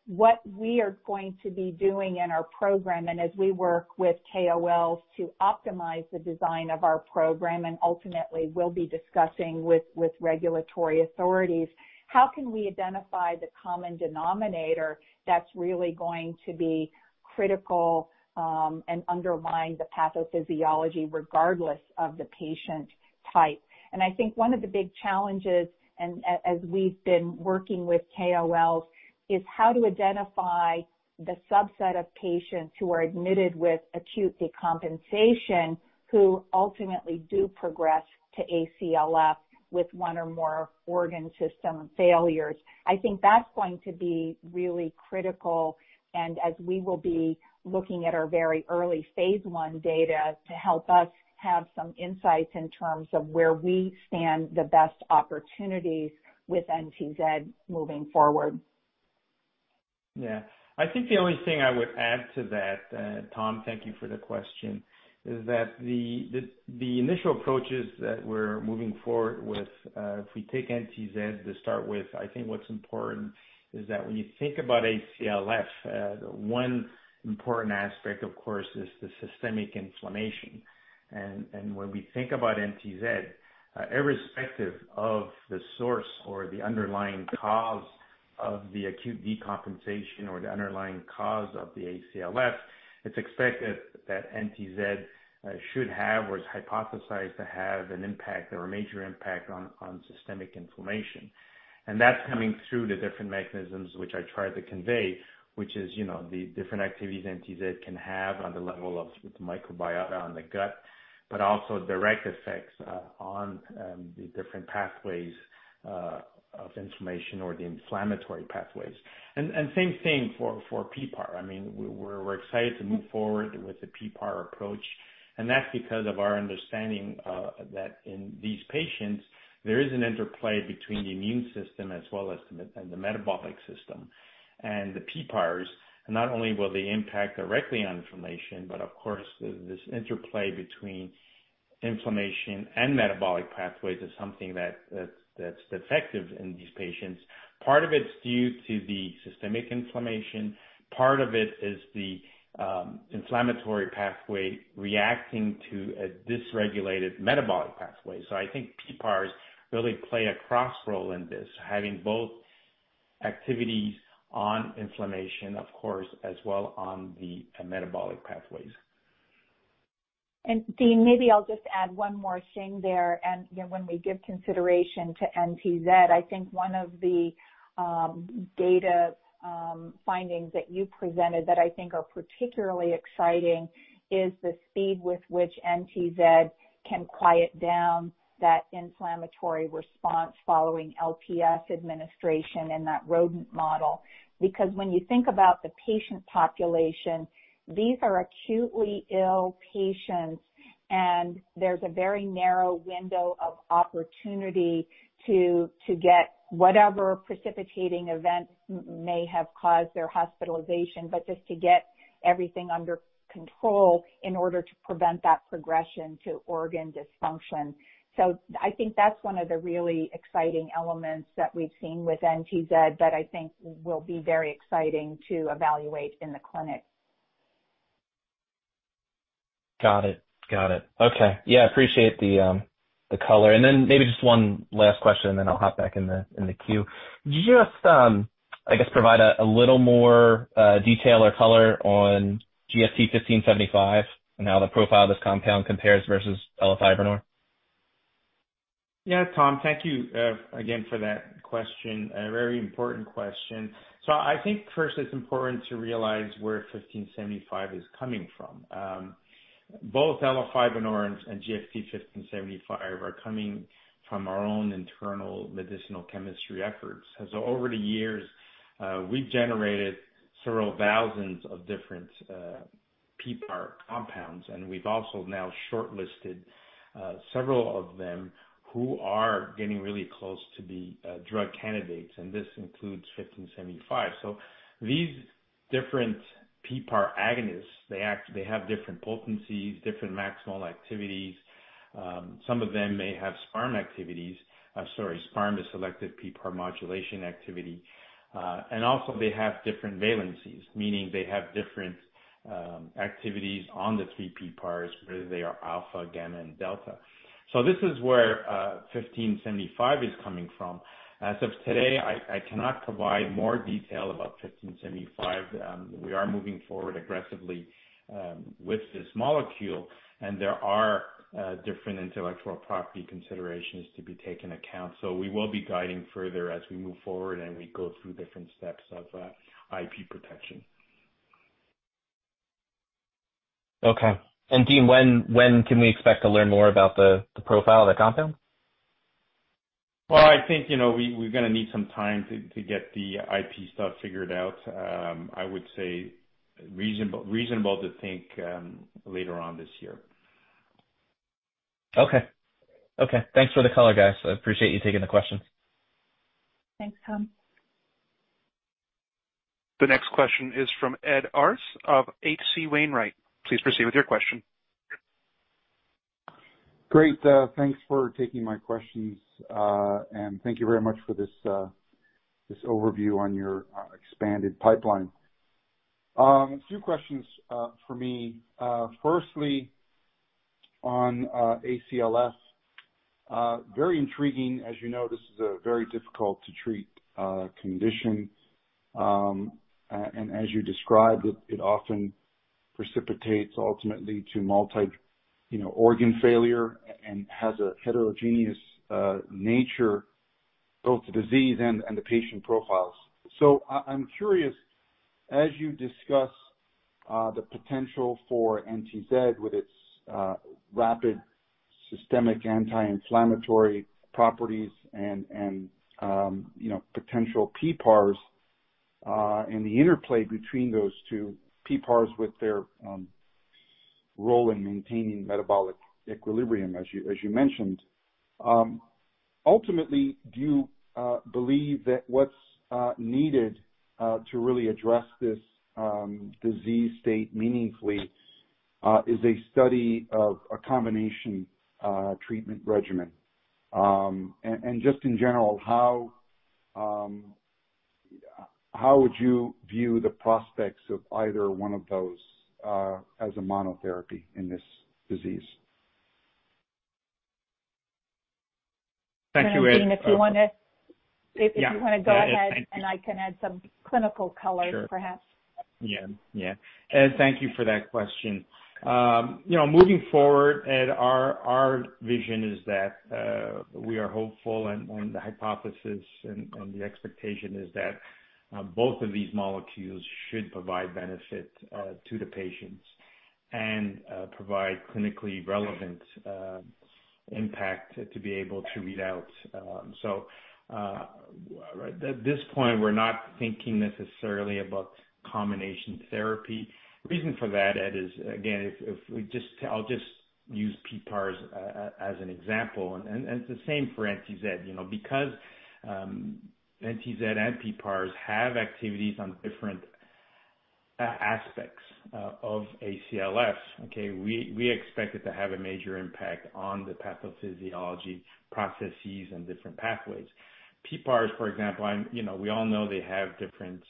S5: What we are going to be doing in our program, as we work with KOLs to optimize the design of our program, and ultimately we'll be discussing with regulatory authorities, how can we identify the common denominator that's really going to be critical and undermine the pathophysiology regardless of the patient type. I think one of the big challenges, as we've been working with KOLs, is how to identify the subset of patients who are admitted with acute decompensation, who ultimately do progress to ACLF with one or more organ system failures. I think that's going to be really critical, as we will be looking at our very early phase I data to help us have some insights in terms of where we stand the best opportunities with NTZ moving forward.
S4: I think the only thing I would add to that, Tom, thank you for the question, is that the initial approaches that we're moving forward with, if we take NTZ to start with, I think what's important is that when you think about ACLF, the one important aspect, of course, is the systemic inflammation. When we think about NTZ, irrespective of the source or the underlying cause of the acute decompensation or the underlying cause of the ACLF, it's expected that NTZ should have or is hypothesized to have an impact or a major impact on systemic inflammation. That's coming through the different mechanisms which I tried to convey, which is the different activities NTZ can have on the level of microbiota on the gut, but also direct effects on the different pathways of inflammation or the inflammatory pathways. Same thing for PPAR. We're excited to move forward with the PPAR approach. That's because of our understanding that in these patients, there is an interplay between the immune system as well as the metabolic system. The PPARs, not only will they impact directly on inflammation, but of course, this interplay between inflammation and metabolic pathways is something that's defective in these patients. Part of it's due to the systemic inflammation. Part of it is the inflammatory pathway reacting to a dysregulated metabolic pathway. I think PPARs really play a cross role in this, having both activities on inflammation, of course, as well on the metabolic pathways.
S5: Dean, maybe I'll just add one more thing there. When we give consideration to NTZ, I think one of the data findings that you presented that I think are particularly exciting is the speed with which NTZ can quiet down that inflammatory response following LPS administration in that rodent model. When you think about the patient population, these are acutely ill patients, and there's a very narrow window of opportunity to get whatever precipitating events may have caused their hospitalization, but just to get everything under control in order to prevent that progression to organ dysfunction. I think that's one of the really exciting elements that we've seen with NTZ that I think will be very exciting to evaluate in the clinic.
S6: Got it. Okay. Yeah, appreciate the color. Maybe just one last question, then I'll hop back in the queue. Just, I guess provide a little more detail or color on GFT1575 and how the profile of this compound compares versus elafibranor.
S4: Yeah, Tom. Thank you again for that question, a very important question. I think first it's important to realize where 1575 is coming from. Both elafibranor and GFT1575 are coming from our own internal medicinal chemistry efforts. Over the years, we've generated several thousands of different PPAR compounds, and we've also now shortlisted several of them who are getting really close to be drug candidates, and this includes 1575. These different PPAR agonists, they have different potencies, different maximal activities. Some of them may have SPPARM activities. Sorry, SPPARM is Selective PPAR Modulation activity. Also they have different valencies, meaning they have different activities on the three PPARs, whether they are Alpha, Gamma, and Delta. This is where 1575 is coming from. As of today, I cannot provide more detail about 1575. We are moving forward aggressively with this molecule, and there are different intellectual property considerations to be taken account. We will be guiding further as we move forward and we go through different steps of IP protection.
S6: Okay. Dean, when can we expect to learn more about the profile of that compound?
S4: Well, I think we're going to need some time to get the IP stuff figured out. I would say reasonable to think later on this year.
S6: Okay. Thanks for the color, guys. I appreciate you taking the questions.
S5: Thanks, Tom.
S1: The next question is from Ed Arce of H.C. Wainwright. Please proceed with your question.
S7: Great. Thanks for taking my questions. Thank you very much for this overview on your expanded pipeline. A few questions for me. Firstly, on ACLF. Very intriguing. As you know, this is a very difficult-to-treat condition. As you described, it often precipitates ultimately to multi-organ failure and has a heterogeneous nature, both the disease and the patient profiles. I'm curious, as you discuss the potential for NTZ with its rapid systemic anti-inflammatory properties and potential PPARs, and the interplay between those two PPARs with their role in maintaining metabolic equilibrium, as you mentioned. Ultimately, do you believe that what's needed to really address this disease state meaningfully is a study of a combination treatment regimen? Just in general, how would you view the prospects of either one of those as a monotherapy in this disease?
S4: Thank you, Ed.
S5: Dean, if you want to go ahead and I can add some clinical color perhaps.
S4: Sure. Ed, thank you for that question. Moving forward, Ed, our vision is that we are hopeful and the hypothesis and the expectation is that both of these molecules should provide benefit to the patients and provide clinically relevant impact to be able to read out. At this point, we're not thinking necessarily about combination therapy. The reason for that, Ed, is, again, I'll just use PPARs as an example. It's the same for NTZ. Because NTZ and PPARs have activities on different aspects of ACLF. Okay? We expect it to have a major impact on the pathophysiology processes and different pathways. PPARs, for example, we all know they have different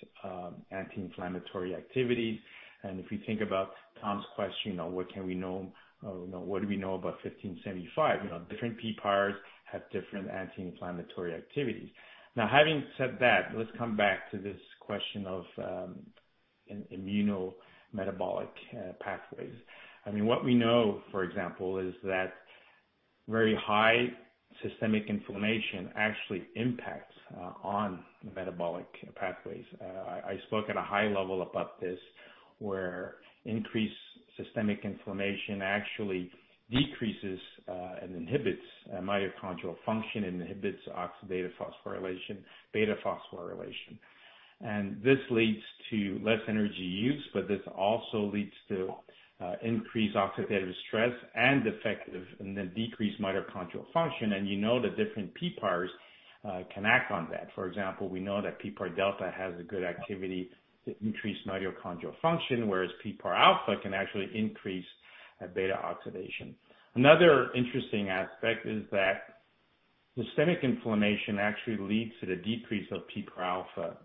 S4: anti-inflammatory activities, and if you think about Tom's question on what do we know about 1575? Different PPARs have different anti-inflammatory activities. Having said that, let's come back to this question of immunometabolic pathways. What we know, for example, is that very high systemic inflammation actually impacts on metabolic pathways. I spoke at a high level about this, where increased systemic inflammation actually decreases and inhibits mitochondrial function and inhibits oxidative phosphorylation. This leads to less energy use, but this also leads to increased oxidative stress and defective, and then decreased mitochondrial function. You know that different PPARs can act on that. For example, we know that PPAR delta has a good activity to increase mitochondrial function, whereas PPAR alpha can actually increase beta-oxidation. Another interesting aspect is that systemic inflammation actually leads to the decrease of PPAR alpha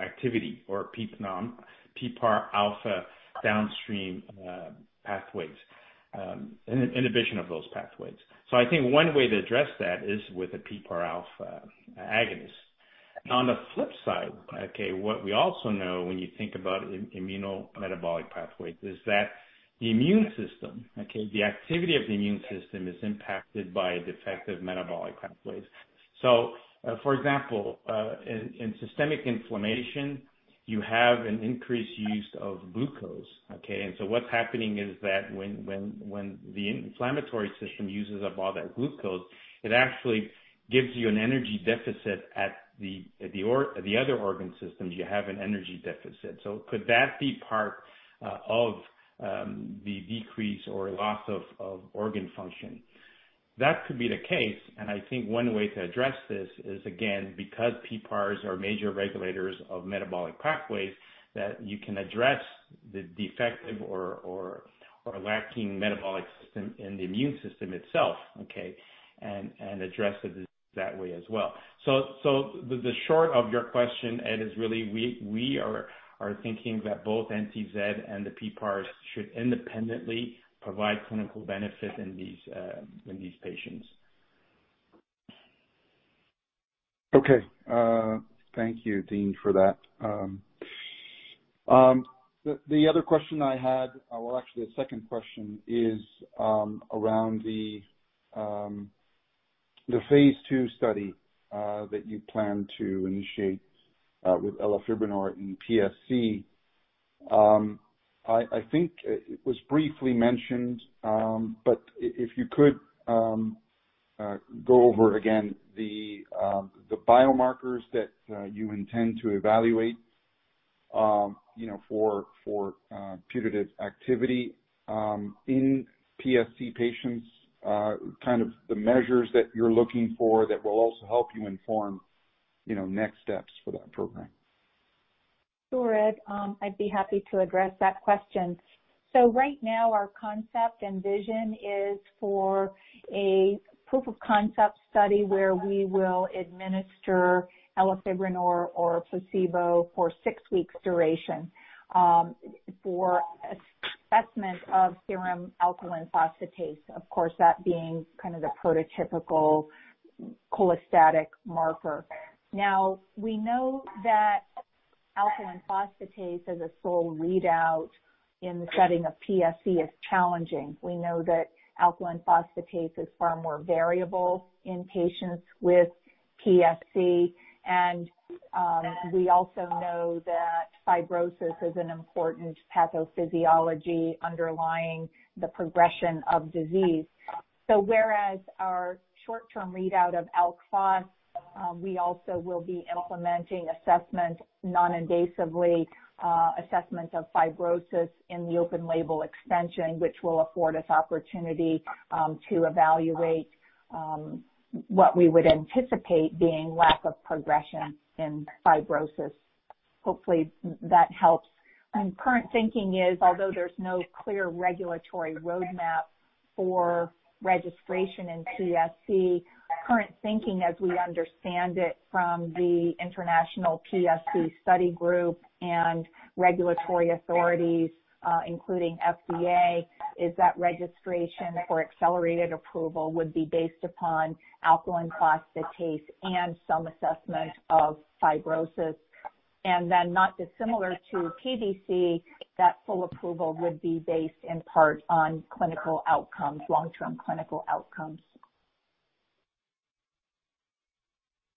S4: activity, or PPAR alpha downstream pathways. Inhibition of those pathways. I think one way to address that is with a PPAR alpha agonist. On the flip side, what we also know when you think about immunometabolic pathways is that the immune system, the activity of the immune system is impacted by defective metabolic pathways. For example, in systemic inflammation, you have an increased use of glucose. What's happening is that when the inflammatory system uses up all that glucose, it actually gives you an energy deficit at the other organ systems. Could that be part of the decrease or loss of organ function? That could be the case, I think one way to address this is, again, because PPARs are major regulators of metabolic pathways, that you can address the defective or lacking metabolic system in the immune system itself. Okay? Address it that way as well. The short of your question, Ed, is really we are thinking that both NTZ and the PPARs should independently provide clinical benefit in these patients.
S7: Okay. Thank you, Dean, for that. The other question I had, well, actually the second question is around the phase II study that you plan to initiate with elafibranor in PSC. I think it was briefly mentioned, but if you could go over again the biomarkers that you intend to evaluate for putative activity in PSC patients, kind of the measures that you're looking for that will also help you inform next steps for that program.
S5: Sure, Ed. I'd be happy to address that question. Right now, our concept and vision is for a proof of concept study where we will administer elafibranor or a placebo for six weeks duration for assessment of serum alkaline phosphatase. Of course, that being kind of the prototypical cholestatic marker. Now, we know that alkaline phosphatase as a sole readout in the setting of PSC is challenging. We know that alkaline phosphatase is far more variable in patients with PSC, and we also know that fibrosis is an important pathophysiology underlying the progression of disease. Whereas our short-term readout of alk phos, we also will be implementing assessment non-invasively, assessment of fibrosis in the open label expansion, which will afford us opportunity to evaluate what we would anticipate being lack of progression in fibrosis. Hopefully, that helps. Current thinking is, although there's no clear regulatory roadmap for registration in PSC, current thinking as we understand it from the International PSC Study Group and regulatory authorities, including FDA, is that registration for accelerated approval would be based upon alkaline phosphatase and some assessment of fibrosis. Then not dissimilar to PBC, that full approval would be based in part on clinical outcomes, long-term clinical outcomes.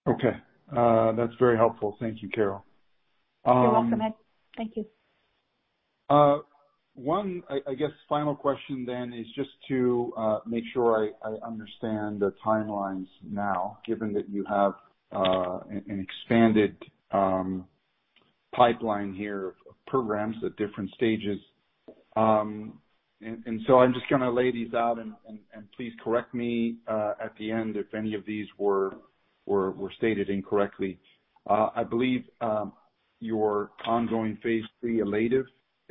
S7: Okay. That's very helpful. Thank you, Carol.
S5: You're welcome, Ed. Thank you.
S7: One, I guess final question then is just to make sure I understand the timelines now, given that you have an expanded pipeline here of programs at different stages. I'm just going to lay these out, and please correct me at the end if any of these were stated incorrectly. I believe your ongoing phase III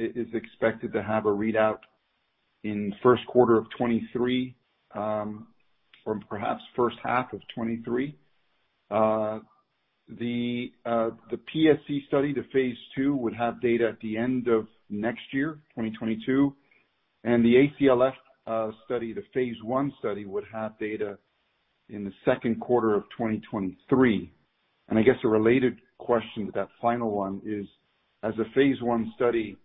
S7: ELATIVE is expected to have a readout in first quarter of 2023, or perhaps first half of 2023. The PSC study, the phase II, would have data at the end of next year, 2022. The ACLF study, the phase I study, would have data in the second quarter of 2023. I guess a related question to that final one is, as a phase I study,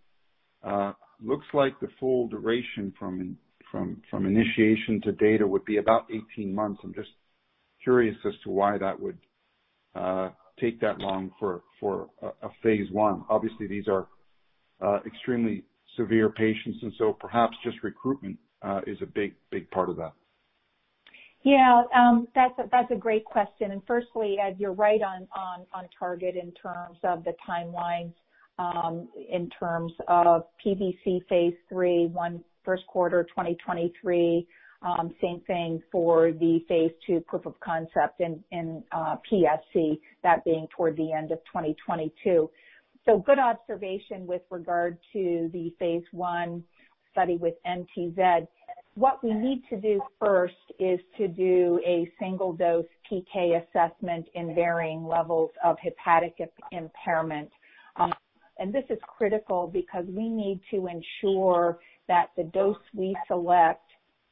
S7: looks like the full duration from initiation to data would be about 18 months. I'm just curious as to why that would take that long for a phase I. Obviously, these are extremely severe patients, and so perhaps just recruitment is a big part of that.
S5: Yeah. That's a great question. Firstly, you're right on target in terms of the timelines, in terms of PBC phase III, first quarter 2023. Same thing for the phase II proof of concept in PSC, that being toward the end of 2022. Good observation with regard to the phase I study with NTZ. What we need to do first is to do a single-dose PK assessment in varying levels of hepatic impairment. This is critical because we need to ensure that the dose we select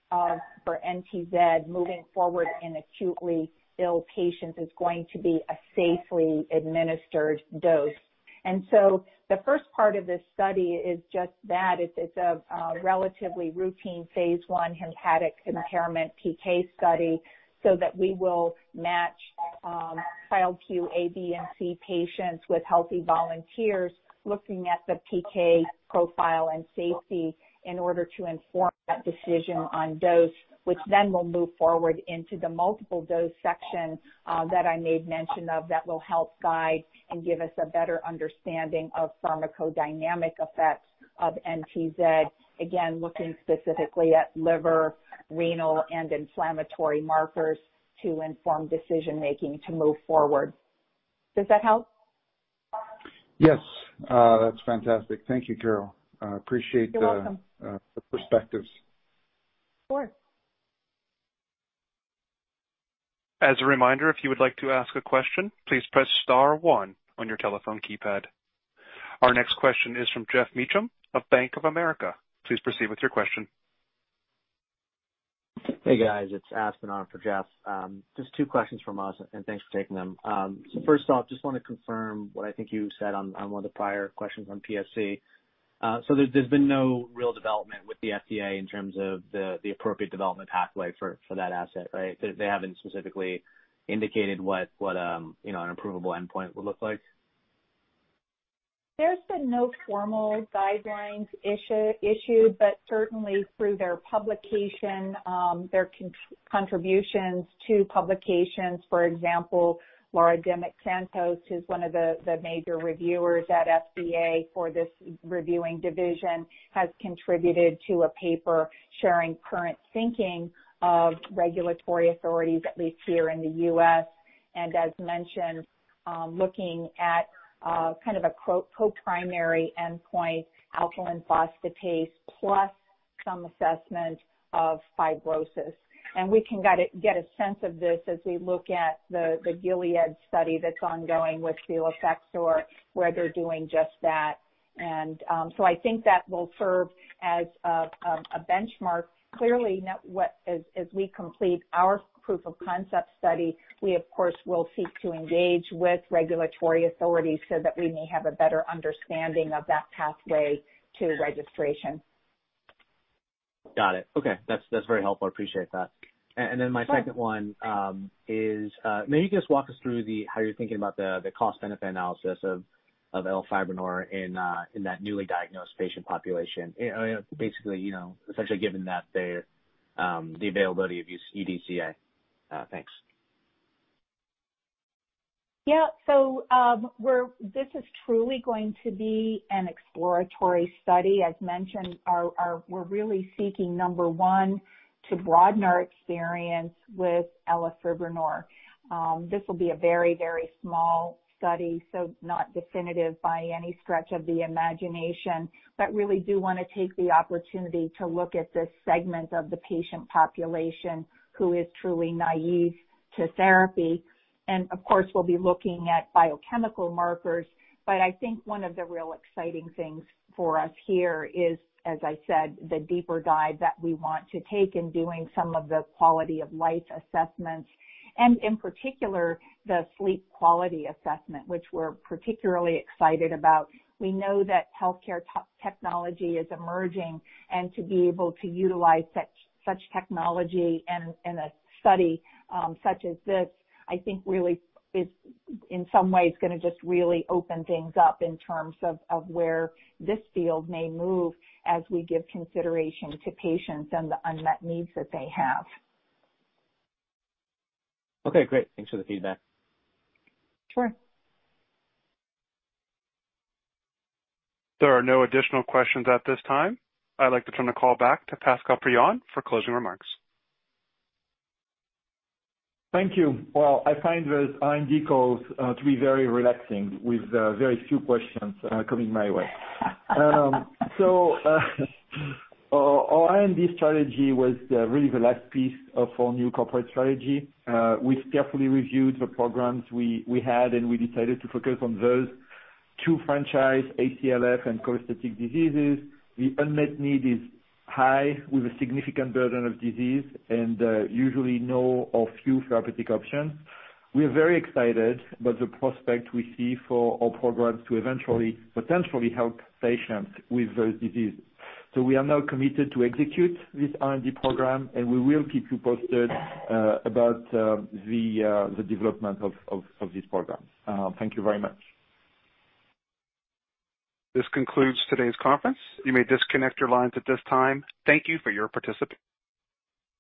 S5: for NTZ moving forward in acutely ill patients is going to be a safely administered dose. The first part of this study is just that. It's a relatively routine phase I hepatic impairment PK study so that we will match Child-Pugh A, B, and C patients with healthy volunteers, looking at the PK profile and safety in order to inform that decision on dose, which then will move forward into the multiple-dose section that I made mention of, that will help guide and give us a better understanding of pharmacodynamic effects of NTZ. Again, looking specifically at liver, renal, and inflammatory markers to inform decision-making to move forward. Does that help?
S7: Yes. That's fantastic. Thank you, Carol.
S5: You're welcome.
S7: Appreciate the perspectives.
S5: Of course.
S1: As a reminder, if you would like to ask a question, please press star one on your telephone keypad. Our next question is from Geoff Meacham of Bank of America. Please proceed with your question.
S8: Hey, guys. It's Aspen on for Geoff. Just two questions from us. Thanks for taking them. First off, just want to confirm what I think you said on one of the prior questions on PSC. There's been no real development with the FDA in terms of the appropriate development pathway for that asset, right? They haven't specifically indicated what an approvable endpoint would look like?
S5: There's been no formal guidelines issued, but certainly through their publication, their contributions to publications. For example, Lara Dimick-Santos, who's one of the major reviewers at FDA for this reviewing division, has contributed to a paper sharing current thinking of regulatory authorities, at least here in the U.S. As mentioned, looking at kind of a co-primary endpoint, alkaline phosphatase plus some assessment of fibrosis. We can get a sense of this as we look at the Gilead study that's ongoing with cilofexor, where they're doing just that. I think that will serve as a benchmark. Clearly, as we complete our proof of concept study, we, of course, will seek to engage with regulatory authorities so that we may have a better understanding of that pathway to registration.
S8: Got it. Okay. That's very helpful. Appreciate that.
S5: Sure.
S8: My second one is, maybe you can just walk us through how you're thinking about the cost-benefit analysis of elafibranor in that newly diagnosed patient population. Essentially given the availability of UDCA. Thanks.
S5: This is truly going to be an exploratory study. As mentioned, we're really seeking, number one, to broaden our experience with elafibranor. This will be a very small study, not definitive by any stretch of the imagination. Really do want to take the opportunity to look at this segment of the patient population who is truly naive to therapy. Of course, we'll be looking at biochemical markers. I think one of the real exciting things for us here is, as I said, the deeper dive that we want to take in doing some of the quality of life assessments, and in particular, the sleep quality assessment, which we're particularly excited about. We know that healthcare technology is emerging, and to be able to utilize such technology in a study such as this, I think really is, in some ways, going to just really open things up in terms of where this field may move as we give consideration to patients and the unmet needs that they have.
S8: Okay, great. Thanks for the feedback.
S5: Sure.
S1: There are no additional questions at this time. I'd like to turn the call back to Pascal Prigent for closing remarks.
S3: Thank you. Well, I find these R&D calls to be very relaxing, with very few questions coming my way. Our R&D strategy was really the last piece of our new corporate strategy. We carefully reviewed the programs we had, and we decided to focus on those two franchise, ACLF and cholestatic diseases. The unmet need is high, with a significant burden of disease, and usually no or few therapeutic options. We are very excited about the prospect we see for our programs to eventually, potentially help patients with those diseases. We are now committed to execute this R&D program, and we will keep you posted about the development of these programs. Thank you very much.
S1: This concludes today's conference. You may disconnect your lines at this time. Thank you for your participation.